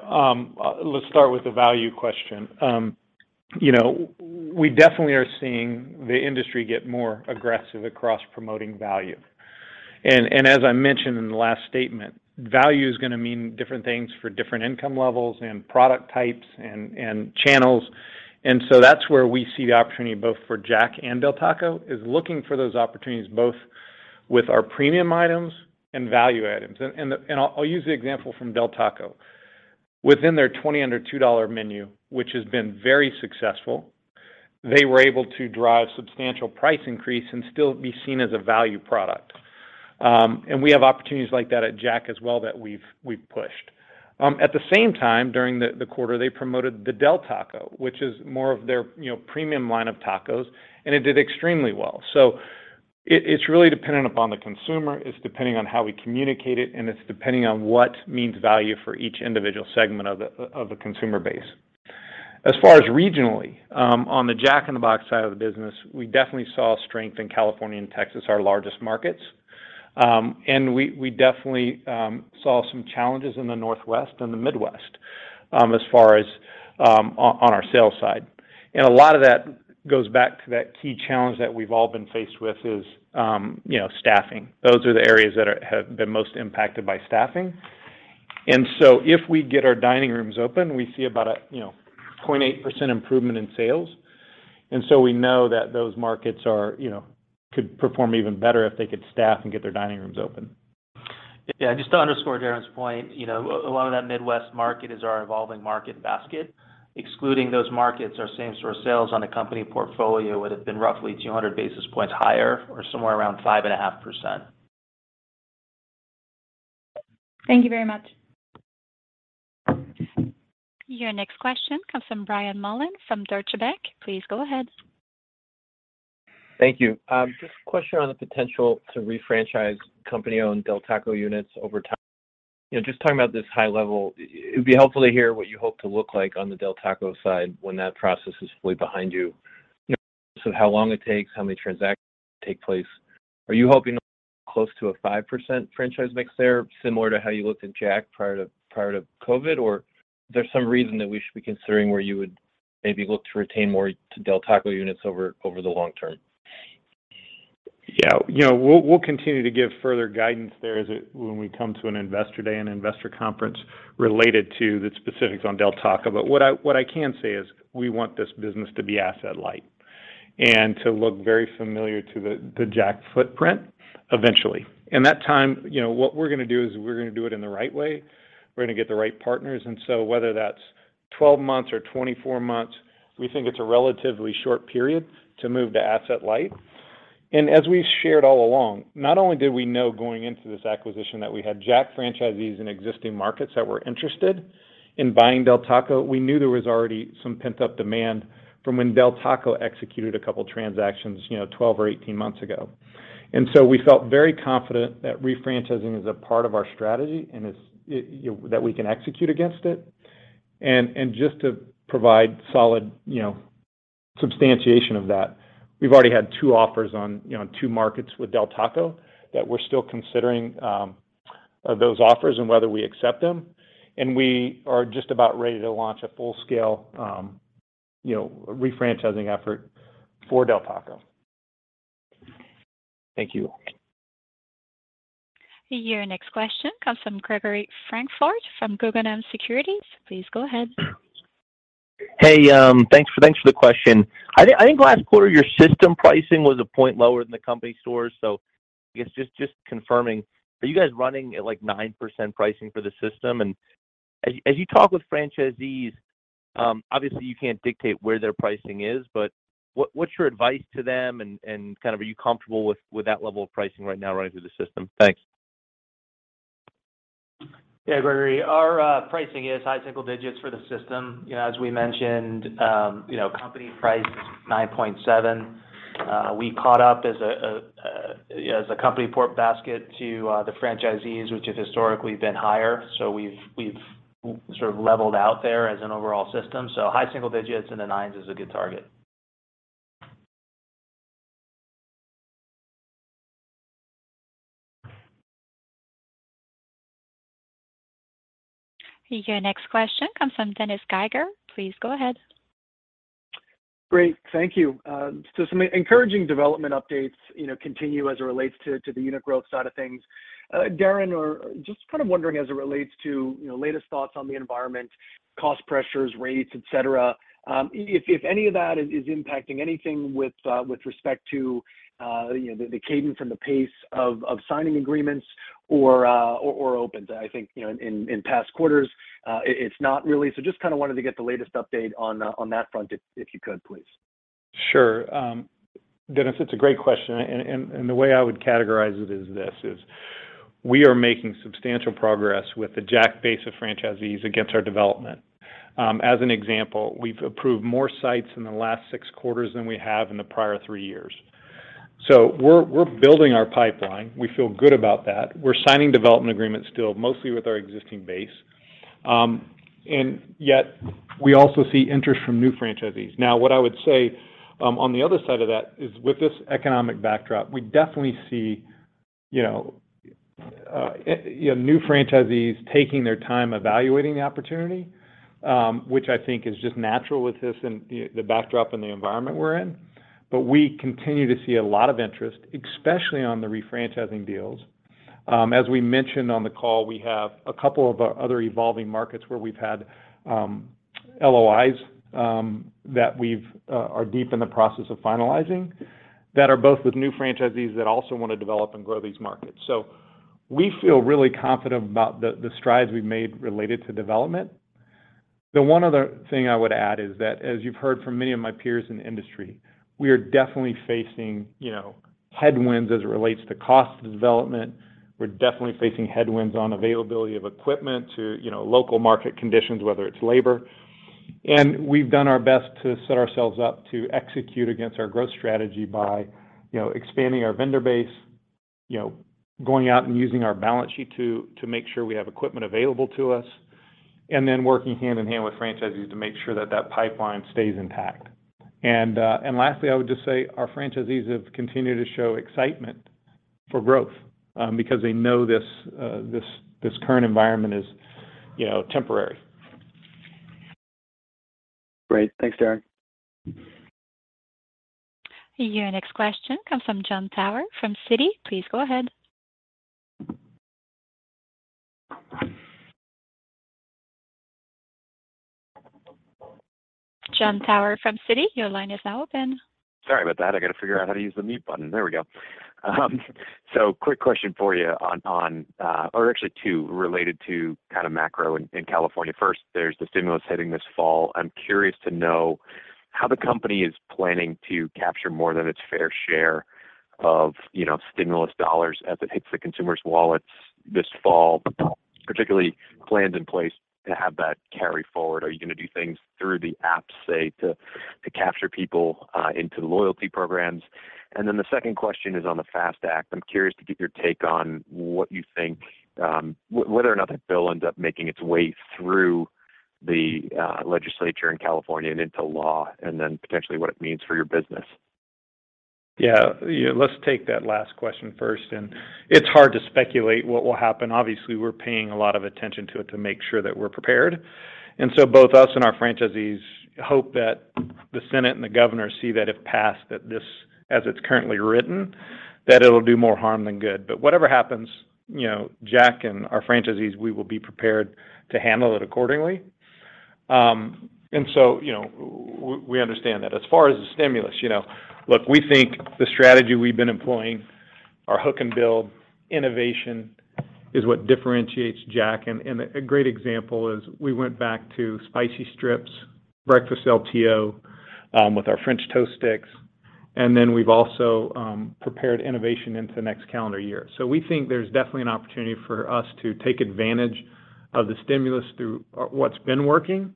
Let's start with the value question. You know, we definitely are seeing the industry get more aggressive across promoting value. As I mentioned in the last statement, value is gonna mean different things for different income levels and product types and channels. That's where we see the opportunity both for Jack and Del Taco, is looking for those opportunities both with our premium items and value items. I'll use the example from Del Taco. Within their 20 Under $2 menu, which has been very successful, they were able to drive substantial price increase and still be seen as a value product. We have opportunities like that at Jack as well that we've pushed. At the same time, during the quarter, they promoted the Del Taco, which is more of their, you know, premium line of tacos, and it did extremely well. It's really dependent upon the consumer, it's depending on how we communicate it, and it's depending on what means value for each individual segment of the consumer base. As far as regionally, on the Jack in the Box side of the business, we definitely saw strength in California and Texas, our largest markets. We definitely saw some challenges in the Northwest and the Midwest, as far as on our sales side. A lot of that goes back to that key challenge that we've all been faced with is, you know, staffing. Those are the areas that have been most impacted by staffing. If we get our dining rooms open, we see about a, you know, 0.8% improvement in sales. We know that those markets are, you know, could perform even better if they could staff and get their dining rooms open. Yeah. Just to underscore Darin's point, you know, a lot of that Midwest market is our evolving market basket. Excluding those markets or same-store sales on a company portfolio would have been roughly 200 basis points higher or somewhere around 5.5%. Thank you very much. Your next question comes from Brian Mullan from Deutsche Bank. Please go ahead. Thank you. Just a question on the potential to refranchise company-owned Del Taco units over time. You know, just talking about this high level, it would be helpful to hear what you hope to look like on the Del Taco side when that process is fully behind you. How long it takes, how many transactions take place. Are you hoping close to a 5% franchise mix there, similar to how you looked at Jack prior to COVID? Or there's some reason that we should be considering where you would maybe look to retain more Del Taco units over the long term? Yeah. You know, we'll continue to give further guidance there when we come to an investor day and investor conference related to the specifics on Del Taco. What I can say is we want this business to be asset light and to look very familiar to the Jack footprint eventually. In that time, you know, what we're gonna do is we're gonna do it in the right way. We're gonna get the right partners. Whether that's 12 months or 24 months, we think it's a relatively short period to move to asset light. As we've shared all along, not only did we know going into this acquisition that we had Jack franchisees in existing markets that were interested in buying Del Taco, we knew there was already some pent-up demand from when Del Taco executed a couple of transactions, you know, 12 or 18 months ago. We felt very confident that refranchising is a part of our strategy and is, you know, that we can execute against it. Just to provide solid, you know, substantiation of that. We've already had two offers on, you know, two markets with Del Taco that we're still considering those offers and whether we accept them, and we are just about ready to launch a full-scale, you know, refranchising effort for Del Taco. Thank you. Your next question comes from Gregory Francfort from Guggenheim Securities. Please go ahead. Hey, thanks for the question. I think last quarter your system pricing was a point lower than the company stores. I guess just confirming, are you guys running at 9% pricing for the system? As you talk with franchisees, obviously you can't dictate where their pricing is, but what's your advice to them and kind of are you comfortable with that level of pricing right now running through the system? Thanks. Yeah, Gregory, our pricing is high single digits for the system. You know, as we mentioned, company price is 9.7. We caught up as a company price basket to the franchisees, which has historically been higher. We've sort of leveled out there as an overall system. High single digits in the nines is a good target. Your next question comes from Dennis Geiger. Please go ahead. Great. Thank you. Some encouraging development updates, you know, continue as it relates to the unit growth side of things. Darin, just kind of wondering as it relates to, you know, latest thoughts on the environment, cost pressures, rates, et cetera, if any of that is impacting anything with respect to, you know, the cadence and the pace of signing agreements or opens. I think, you know, in past quarters, it's not really. Just kind of wanted to get the latest update on that front if you could, please. Sure. Dennis, it's a great question and the way I would categorize it is this, we are making substantial progress with the Jack base of franchisees against our development. As an example, we've approved more sites in the last 6 quarters than we have in the prior three years. We're building our pipeline. We feel good about that. We're signing development agreements still, mostly with our existing base. Yet we also see interest from new franchisees. Now, what I would say on the other side of that is with this economic backdrop, we definitely see, you know, you know, new franchisees taking their time evaluating the opportunity, which I think is just natural with this and the backdrop and the environment we're in. We continue to see a lot of interest, especially on the re-franchising deals. As we mentioned on the call, we have a couple of other evolving markets where we've had LOIs that we are deep in the process of finalizing that are both with new franchisees that also want to develop and grow these markets. We feel really confident about the strides we've made related to development. The one other thing I would add is that, as you've heard from many of my peers in the industry, we are definitely facing, you know, headwinds as it relates to cost of development. We're definitely facing headwinds on availability of equipment to, you know, local market conditions, whether it's labor. We've done our best to set ourselves up to execute against our growth strategy by, you know, expanding our vendor base, you know, going out and using our balance sheet to make sure we have equipment available to us, and then working hand in hand with franchisees to make sure that pipeline stays intact. Lastly, I would just say our franchisees have continued to show excitement for growth, because they know this current environment is, you know, temporary. Great. Thanks, Darin. Your next question comes from Jon Tower from Citi. Please go ahead. Jon Tower from Citi, your line is now open. Sorry about that. I got to figure out how to use the mute button. There we go. So quick question for you on or actually two related to kind of macro in California. First, there's the stimulus hitting this fall. I'm curious to know how the company is planning to capture more than its fair share of, you know, stimulus dollars as it hits the consumers' wallets this fall, particularly plans in place to have that carry forward. Are you gonna do things through the app, say, to capture people into loyalty programs? Then the second question is on the FAST Act. I'm curious to get your take on what you think whether or not that bill ends up making its way through the legislature in California and into law, and then potentially what it means for your business. Let's take that last question first, and it's hard to speculate what will happen. Obviously, we're paying a lot of attention to it to make sure that we're prepared. Both us and our franchisees hope that the Senate and the governor see that if passed, that this, as it's currently written, that it'll do more harm than good. Whatever happens, you know, Jack and our franchisees, we will be prepared to handle it accordingly. You know, we understand that. As far as the stimulus, you know, look, we think the strategy we've been employing, our hook and build innovation is what differentiates Jack. A great example is we went back to Spicy Chicken Strips, Breakfast LTO, with our French Toast Sticks, and then we've also prepared innovation into next calendar year. We think there's definitely an opportunity for us to take advantage of the stimulus through what's been working,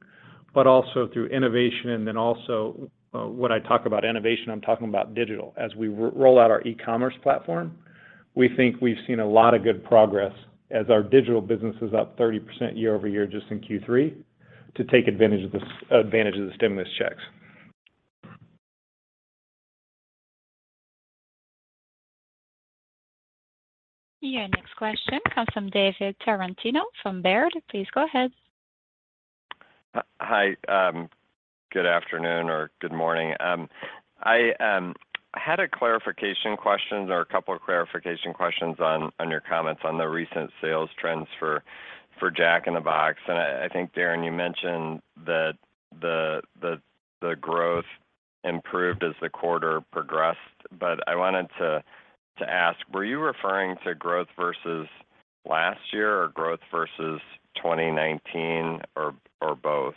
but also through innovation and then also, when I talk about innovation, I'm talking about digital. As we roll out our e-commerce platform, we think we've seen a lot of good progress as our digital business is up 30% year-over-year just in Q3 to take advantage of the stimulus checks. Your next question comes from David Tarantino from Baird. Please go ahead. Hi, good afternoon or good morning. I had a clarification question or a couple of clarification questions on your comments on the recent sales trends for Jack in the Box. I think, Darin, you mentioned that the growth improved as the quarter progressed. I wanted to ask, were you referring to growth versus last year or growth versus 2019 or both?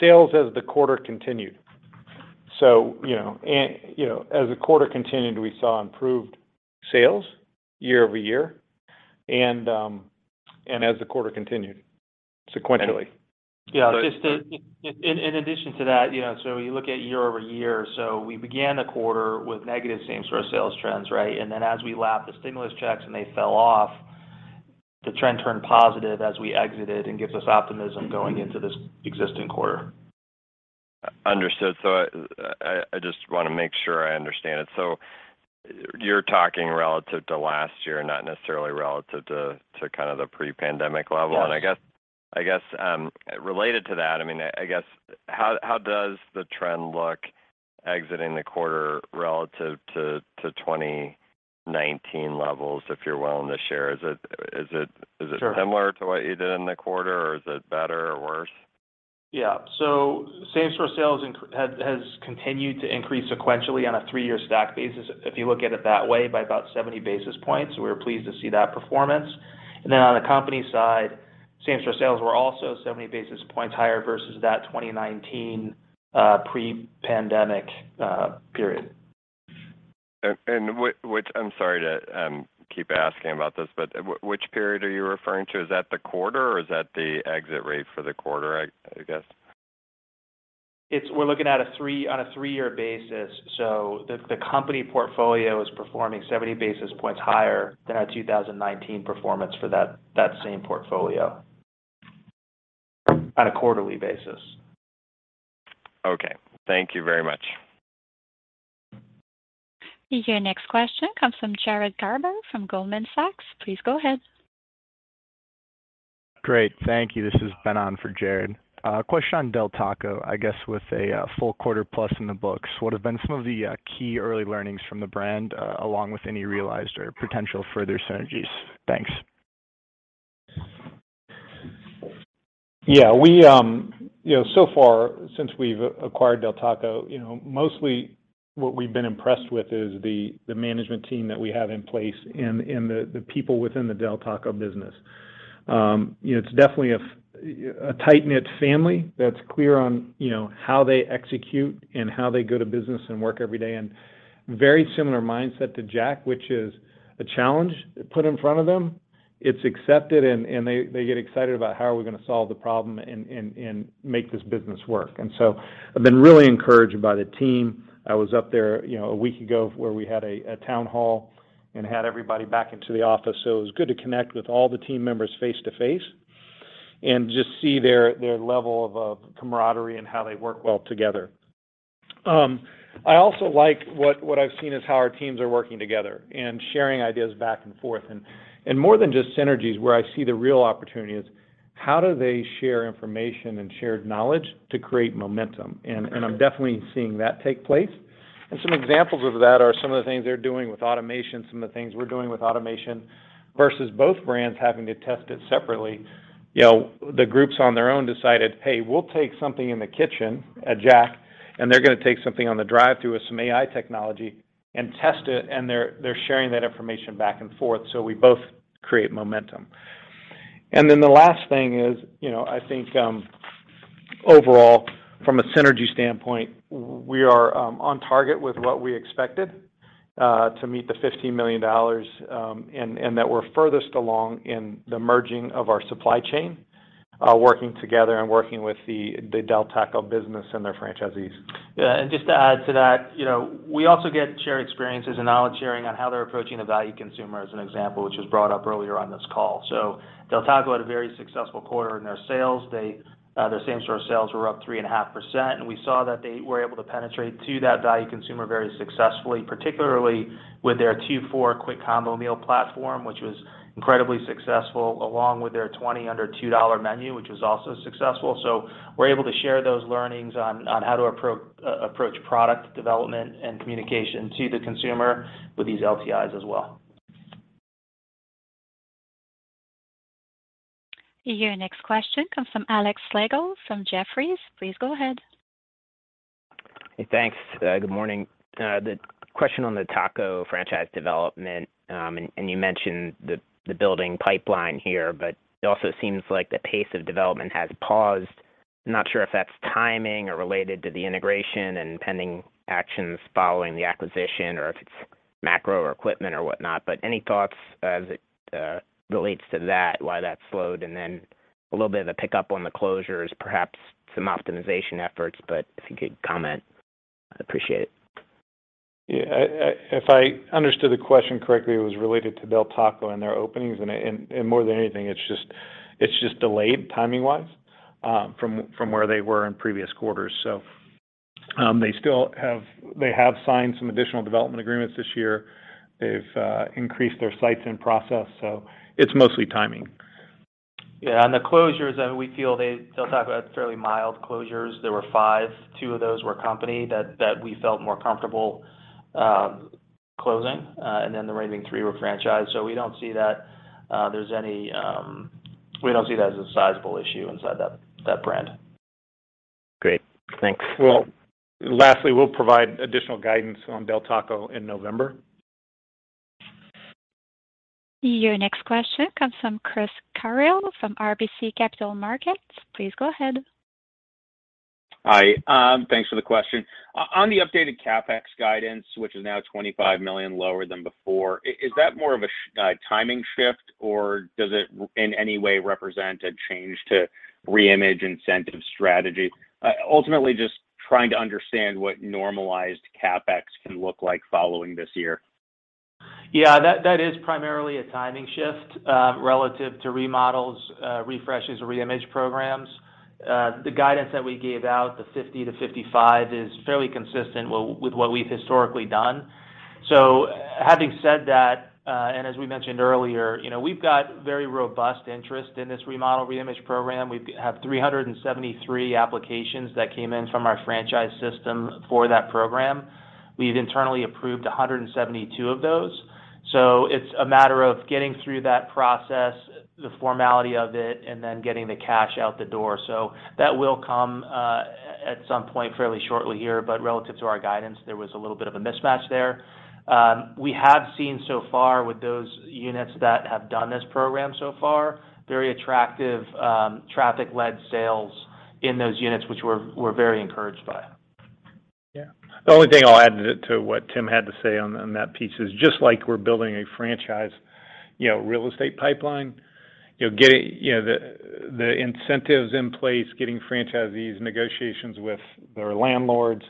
Sales as the quarter continued. You know, as the quarter continued, we saw improved sales year over year and as the quarter continued sequentially. Just in addition to that, you know, you look at year-over-year. We began the quarter with negative same-store sales trends, right? As we lapped the stimulus checks and they fell off, the trend turned positive as we exited and gives us optimism going into this ensuing quarter. Understood. I just wanna make sure I understand it. You're talking relative to last year, not necessarily relative to kind of the pre-pandemic level. Yes. I guess related to that, I mean, I guess how does the trend look exiting the quarter relative to 2019 levels, if you're willing to share? Sure. Similar to what you did in the quarter, or is it better or worse? Yeah. Same store sales has continued to increase sequentially on a three-year stack basis, if you look at it that way, by about 70 basis points. We were pleased to see that performance. On the company side, same store sales were also 70 basis points higher versus that 2019 pre-pandemic period. Which period are you referring to? Is that the quarter, or is that the exit rate for the quarter, I guess? We're looking at a three-year basis. The company portfolio is performing 70 basis points higher than our 2019 performance for that same portfolio on a quarterly basis. Okay. Thank you very much. Your next question comes from Jared Garber from Goldman Sachs. Please go ahead. Great. Thank you. This is Benon for Jared Garber. Question on Del Taco. I guess with a full quarter plus in the books, what have been some of the key early learnings from the brand, along with any realized or potential further synergies? Thanks. Yeah. We, you know, so far since we've acquired Del Taco, you know, mostly what we've been impressed with is the management team that we have in place and the people within the Del Taco business. You know, it's definitely a tight-knit family that's clear on, you know, how they execute and how they go to business and work every day and very similar mindset to Jack, which is a challenge put in front of them. It's accepted and they get excited about how are we gonna solve the problem and make this business work. I've been really encouraged by the team. I was up there, you know, a week ago where we had a town hall and had everybody back into the office. It was good to connect with all the team members face to face and just see their level of camaraderie and how they work well together. I also like what I've seen is how our teams are working together and sharing ideas back and forth. More than just synergies, where I see the real opportunity is how do they share information and shared knowledge to create momentum? I'm definitely seeing that take place. Some examples of that are some of the things they're doing with automation, some of the things we're doing with automation versus both brands having to test it separately. You know, the groups on their own decided, "Hey, we'll take something in the kitchen at Jack," and they're gonna take something on the drive-thru with some AI technology and test it, and they're sharing that information back and forth so we both create momentum. Then the last thing is, you know, I think overall from a synergy standpoint, we are on target with what we expected to meet $50 million, and that we're furthest along in the merging of our supply chain, working together and working with the Del Taco business and their franchisees. Yeah. Just to add to that, you know, we also get shared experiences and knowledge sharing on how they're approaching the value consumer as an example, which was brought up earlier on this call. Del Taco had a very successful quarter in their sales. Their same store sales were up 3.5%, and we saw that they were able to penetrate to that value consumer very successfully, particularly with their two for quick combo meal platform, which was incredibly successful, along with their 20 Under $2 menu, which was also successful. We're able to share those learnings on how to approach product development and communication to the consumer with these LTOs as well. Your next question comes from Alexander Slagle from Jefferies. Please go ahead. Hey, thanks. Good morning. The question on the Del Taco franchise development, and you mentioned the building pipeline here, but it also seems like the pace of development has paused. Not sure if that's timing or related to the integration and pending actions following the acquisition or if it's macro or equipment or whatnot, but any thoughts as it relates to that, why that slowed? A little bit of a pickup on the closures, perhaps some optimization efforts, but if you could comment, I'd appreciate it. Yeah. If I understood the question correctly, it was related to Del Taco and their openings. More than anything, it's just delayed timing-wise from where they were in previous quarters. They have signed some additional development agreements this year. They've increased their sites in process, so it's mostly timing. Yeah, Del Taco has fairly mild closures. There were five. Two of those were company that we felt more comfortable closing. Then the remaining three were franchise. We don't see that as a sizable issue inside that brand. Great. Thanks. Well, lastly, we'll provide additional guidance on Del Taco in November. Your next question comes from Chris Carril from RBC Capital Markets. Please go ahead. Hi. Thanks for the question. On the updated CapEx guidance, which is now $25 million lower than before, is that more of a timing shift, or does it in any way represent a change to reimage incentive strategy? Ultimately just trying to understand what normalized CapEx can look like following this year. Yeah. That is primarily a timing shift relative to remodels, refreshes, or reimage programs. The guidance that we gave out, the 50-55, is fairly consistent with what we've historically done. Having said that, and as we mentioned earlier, you know, we've got very robust interest in this remodel, reimage program. We have 373 applications that came in from our franchise system for that program. We've internally approved 172 of those. It's a matter of getting through that process, the formality of it, and then getting the cash out the door. That will come at some point fairly shortly here, but relative to our guidance, there was a little bit of a mismatch there. We have seen so far with those units that have done this program so far very attractive traffic-led sales in those units, which we're very encouraged by. Yeah. The only thing I'll add to what Tim had to say on that piece is just like we're building a franchise, you know, real estate pipeline. You'll get, you know, the incentives in place, getting franchisees negotiations with their landlords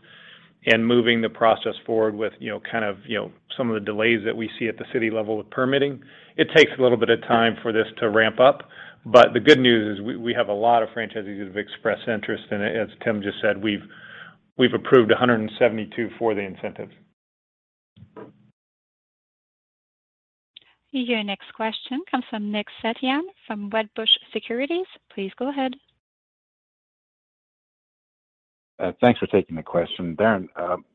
and moving the process forward with, you know, kind of, you know, some of the delays that we see at the city level with permitting. It takes a little bit of time for this to ramp up. The good news is we have a lot of franchisees who have expressed interest. As Tim just said, we've approved 172 for the incentives. Your next question comes from Nick Setyan from Wedbush Securities. Please go ahead. Thanks for taking the question. Darin,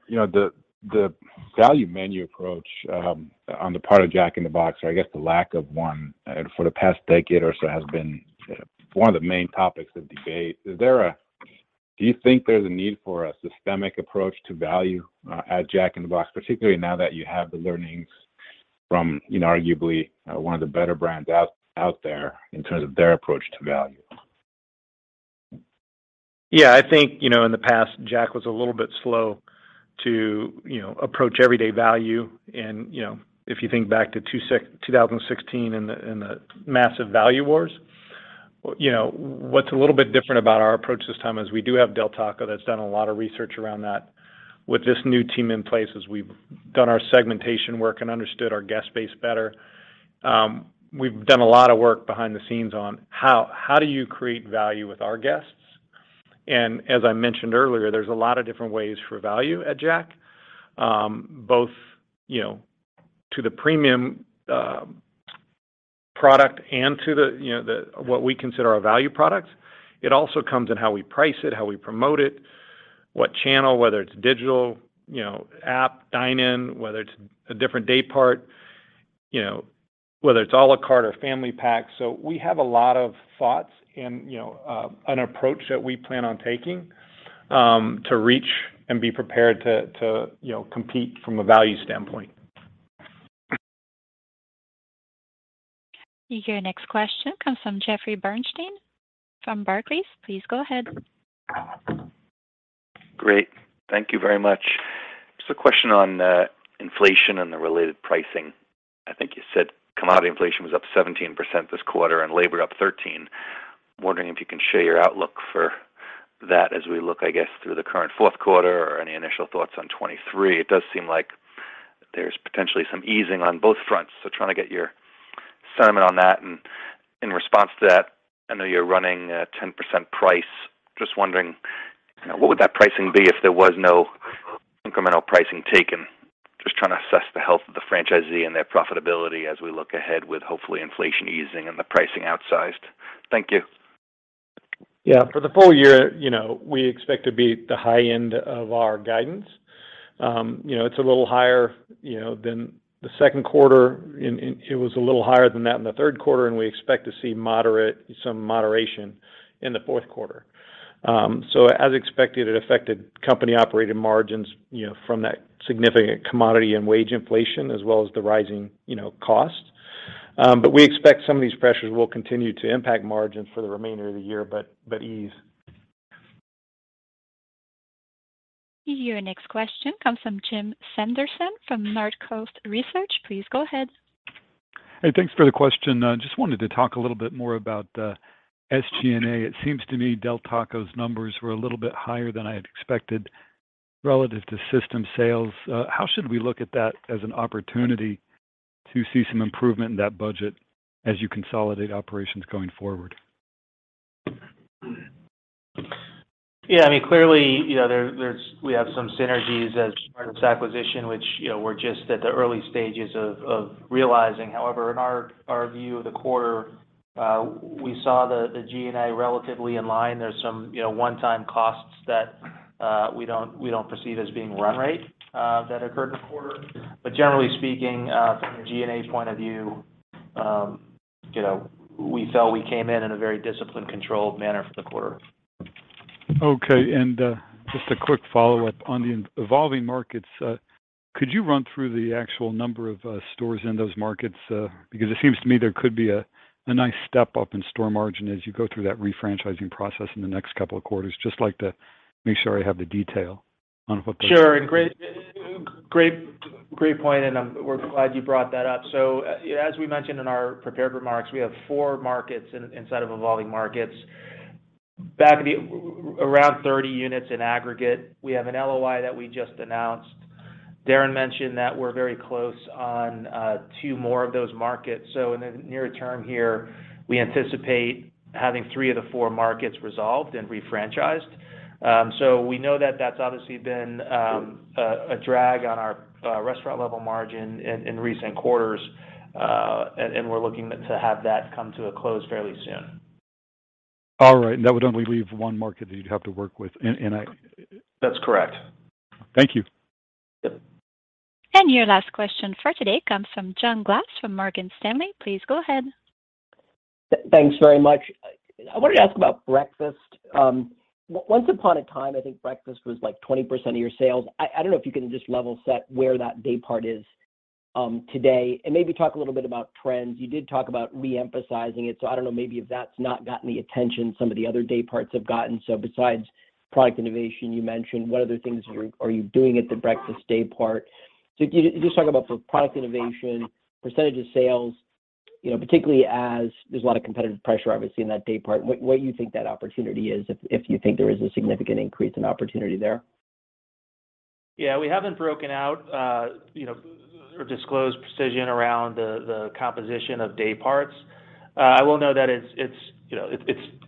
you know, the value menu approach on the part of Jack in the Box, or I guess the lack of one, for the past decade or so has been one of the main topics of debate. Do you think there's a need for a systematic approach to value at Jack in the Box, particularly now that you have the learnings from, you know, arguably one of the better brands out there in terms of their approach to value? Yeah. I think, you know, in the past, Jack was a little bit slow to, you know, approach everyday value and, you know, if you think back to 2016 and the massive value wars, you know, what's a little bit different about our approach this time is we do have Del Taco that's done a lot of research around that. With this new team in place, as we've done our segmentation work and understood our guest base better, we've done a lot of work behind the scenes on how do you create value with our guests. As I mentioned earlier, there's a lot of different ways for value at Jack, both, you know, to the premium product and to the, you know, the what we consider our value product. It also comes in how we price it, how we promote it, what channel, whether it's digital, you know, app, dine-in, whether it's a different day part, you know, whether it's à la carte or family pack. We have a lot of thoughts and, you know, an approach that we plan on taking to reach and be prepared to you know, compete from a value standpoint. Your next question comes from Jeffrey Bernstein from Barclays. Please go ahead. Great. Thank you very much. Just a question on inflation and the related pricing. I think you said commodity inflation was up 17% this quarter and labor up 13%. I'm wondering if you can share your outlook for that as we look, I guess, through the current fourth quarter or any initial thoughts on 2023. It does seem like there's potentially some easing on both fronts, so trying to get your sentiment on that. In response to that, I know you're running a 10% price. Just wondering, you know, what would that pricing be if there was no incremental pricing taken? Just trying to assess the health of the franchisee and their profitability as we look ahead with hopefully inflation easing and the pricing outsized. Thank you. Yeah. For the full year, you know, we expect to beat the high end of our guidance. You know, it's a little higher, you know, than the second quarter, and it was a little higher than that in the third quarter, and we expect to see some moderation in the fourth quarter. As expected, it affected company-operated margins, you know, from that significant commodity and wage inflation, as well as the rising, you know, costs. We expect some of these pressures will continue to impact margins for the remainder of the year but ease. Your next question comes from Jim Sanderson from Northcoast Research. Please go ahead. Hey, thanks for the question. Just wanted to talk a little bit more about SG&A. It seems to me Del Taco's numbers were a little bit higher than I had expected relative to system sales. How should we look at that as an opportunity to see some improvement in that budget as you consolidate operations going forward? Yeah, I mean, clearly, you know, we have some synergies as part of this acquisition, which, you know, we're just at the early stages of realizing. However, in our view of the quarter, we saw the G&A relatively in line. There's some, you know, one-time costs that we don't perceive as being run rate that occurred in the quarter. Generally speaking, from a G&A point of view, you know, we felt we came in in a very disciplined, controlled manner for the quarter. Okay. Just a quick follow-up. On the evolving markets, could you run through the actual number of stores in those markets? Because it seems to me there could be a nice step up in store margin as you go through that refranchising process in the next couple of quarters. Just like to make sure I have the detail on what those- Sure. Great point, and we're glad you brought that up. As we mentioned in our prepared remarks, we have four markets inside of evolving markets, around 30 units in aggregate. We have an LOI that we just announced. Darin mentioned that we're very close on two more of those markets. In the near term here, we anticipate having three of the markets resolved and refranchised. We know that that's obviously been a drag on our restaurant level margin in recent quarters, and we're looking to have that come to a close fairly soon. All right. That would only leave one market that you'd have to work with. That's correct. Thank you. Yep. Your last question for today comes from John Glass from Morgan Stanley. Please go ahead. Thanks very much. I wanted to ask about breakfast. Once upon a time, I think breakfast was, like, 20% of your sales. I don't know if you can just level set where that day part is today, and maybe talk a little bit about trends. You did talk about re-emphasizing it, so I don't know maybe if that's not gotten the attention some of the other day parts have gotten. Besides product innovation you mentioned, what other things are you doing at the breakfast day part? Can you just talk about the product innovation, percentage of sales, you know, particularly as there's a lot of competitive pressure, obviously, in that day part, what you think that opportunity is if you think there is a significant increase in opportunity there. Yeah, we haven't broken out or disclosed precision around the composition of day parts. I will note that it's you know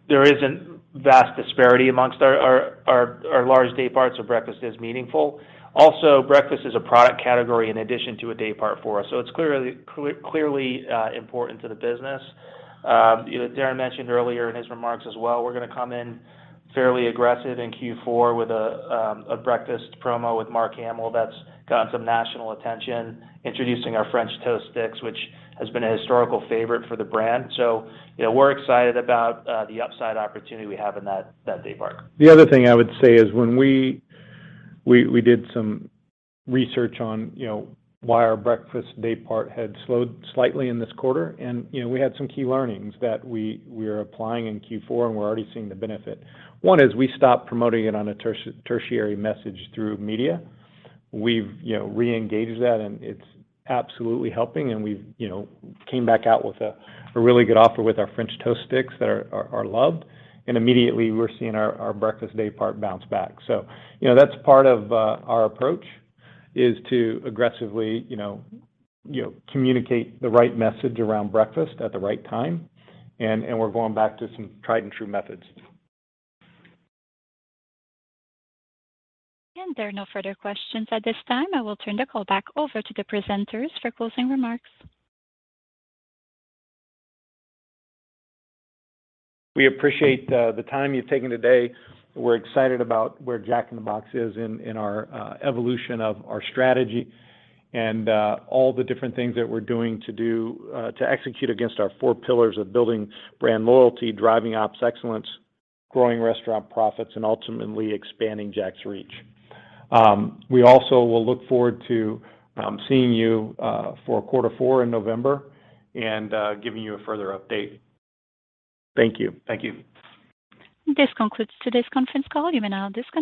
there isn't vast disparity amongst our large day parts, so breakfast is meaningful. Also, breakfast is a product category in addition to a day part for us, so it's clearly important to the business. Darin mentioned earlier in his remarks as well, we're gonna come in fairly aggressive in Q4 with a breakfast promo with Mark Hamill that's gotten some national attention, introducing our French Toast Sticks, which has been a historical favorite for the brand. You know, we're excited about the upside opportunity we have in that day part. The other thing I would say is when we did some research on, you know, why our breakfast daypart had slowed slightly in this quarter. You know, we had some key learnings that we are applying in Q4, and we're already seeing the benefit. One is we stopped promoting it on a tertiary message through media. We've, you know, re-engaged that and it's absolutely helping and we've, you know, came back out with a really good offer with our French Toast Sticks that are loved. Immediately we're seeing our breakfast daypart bounce back. You know, that's part of our approach, is to aggressively, you know, communicate the right message around breakfast at the right time. We're going back to some tried and true methods. There are no further questions at this time. I will turn the call back over to the presenters for closing remarks. We appreciate the time you've taken today. We're excited about where Jack in the Box is in our evolution of our strategy and all the different things that we're doing to execute against our four pillars of building brand loyalty, driving ops excellence, growing restaurant profits, and ultimately expanding Jack's reach. We also will look forward to seeing you for quarter four in November and giving you a further update. Thank you. Thank you. This concludes today's conference call. You may now disconnect.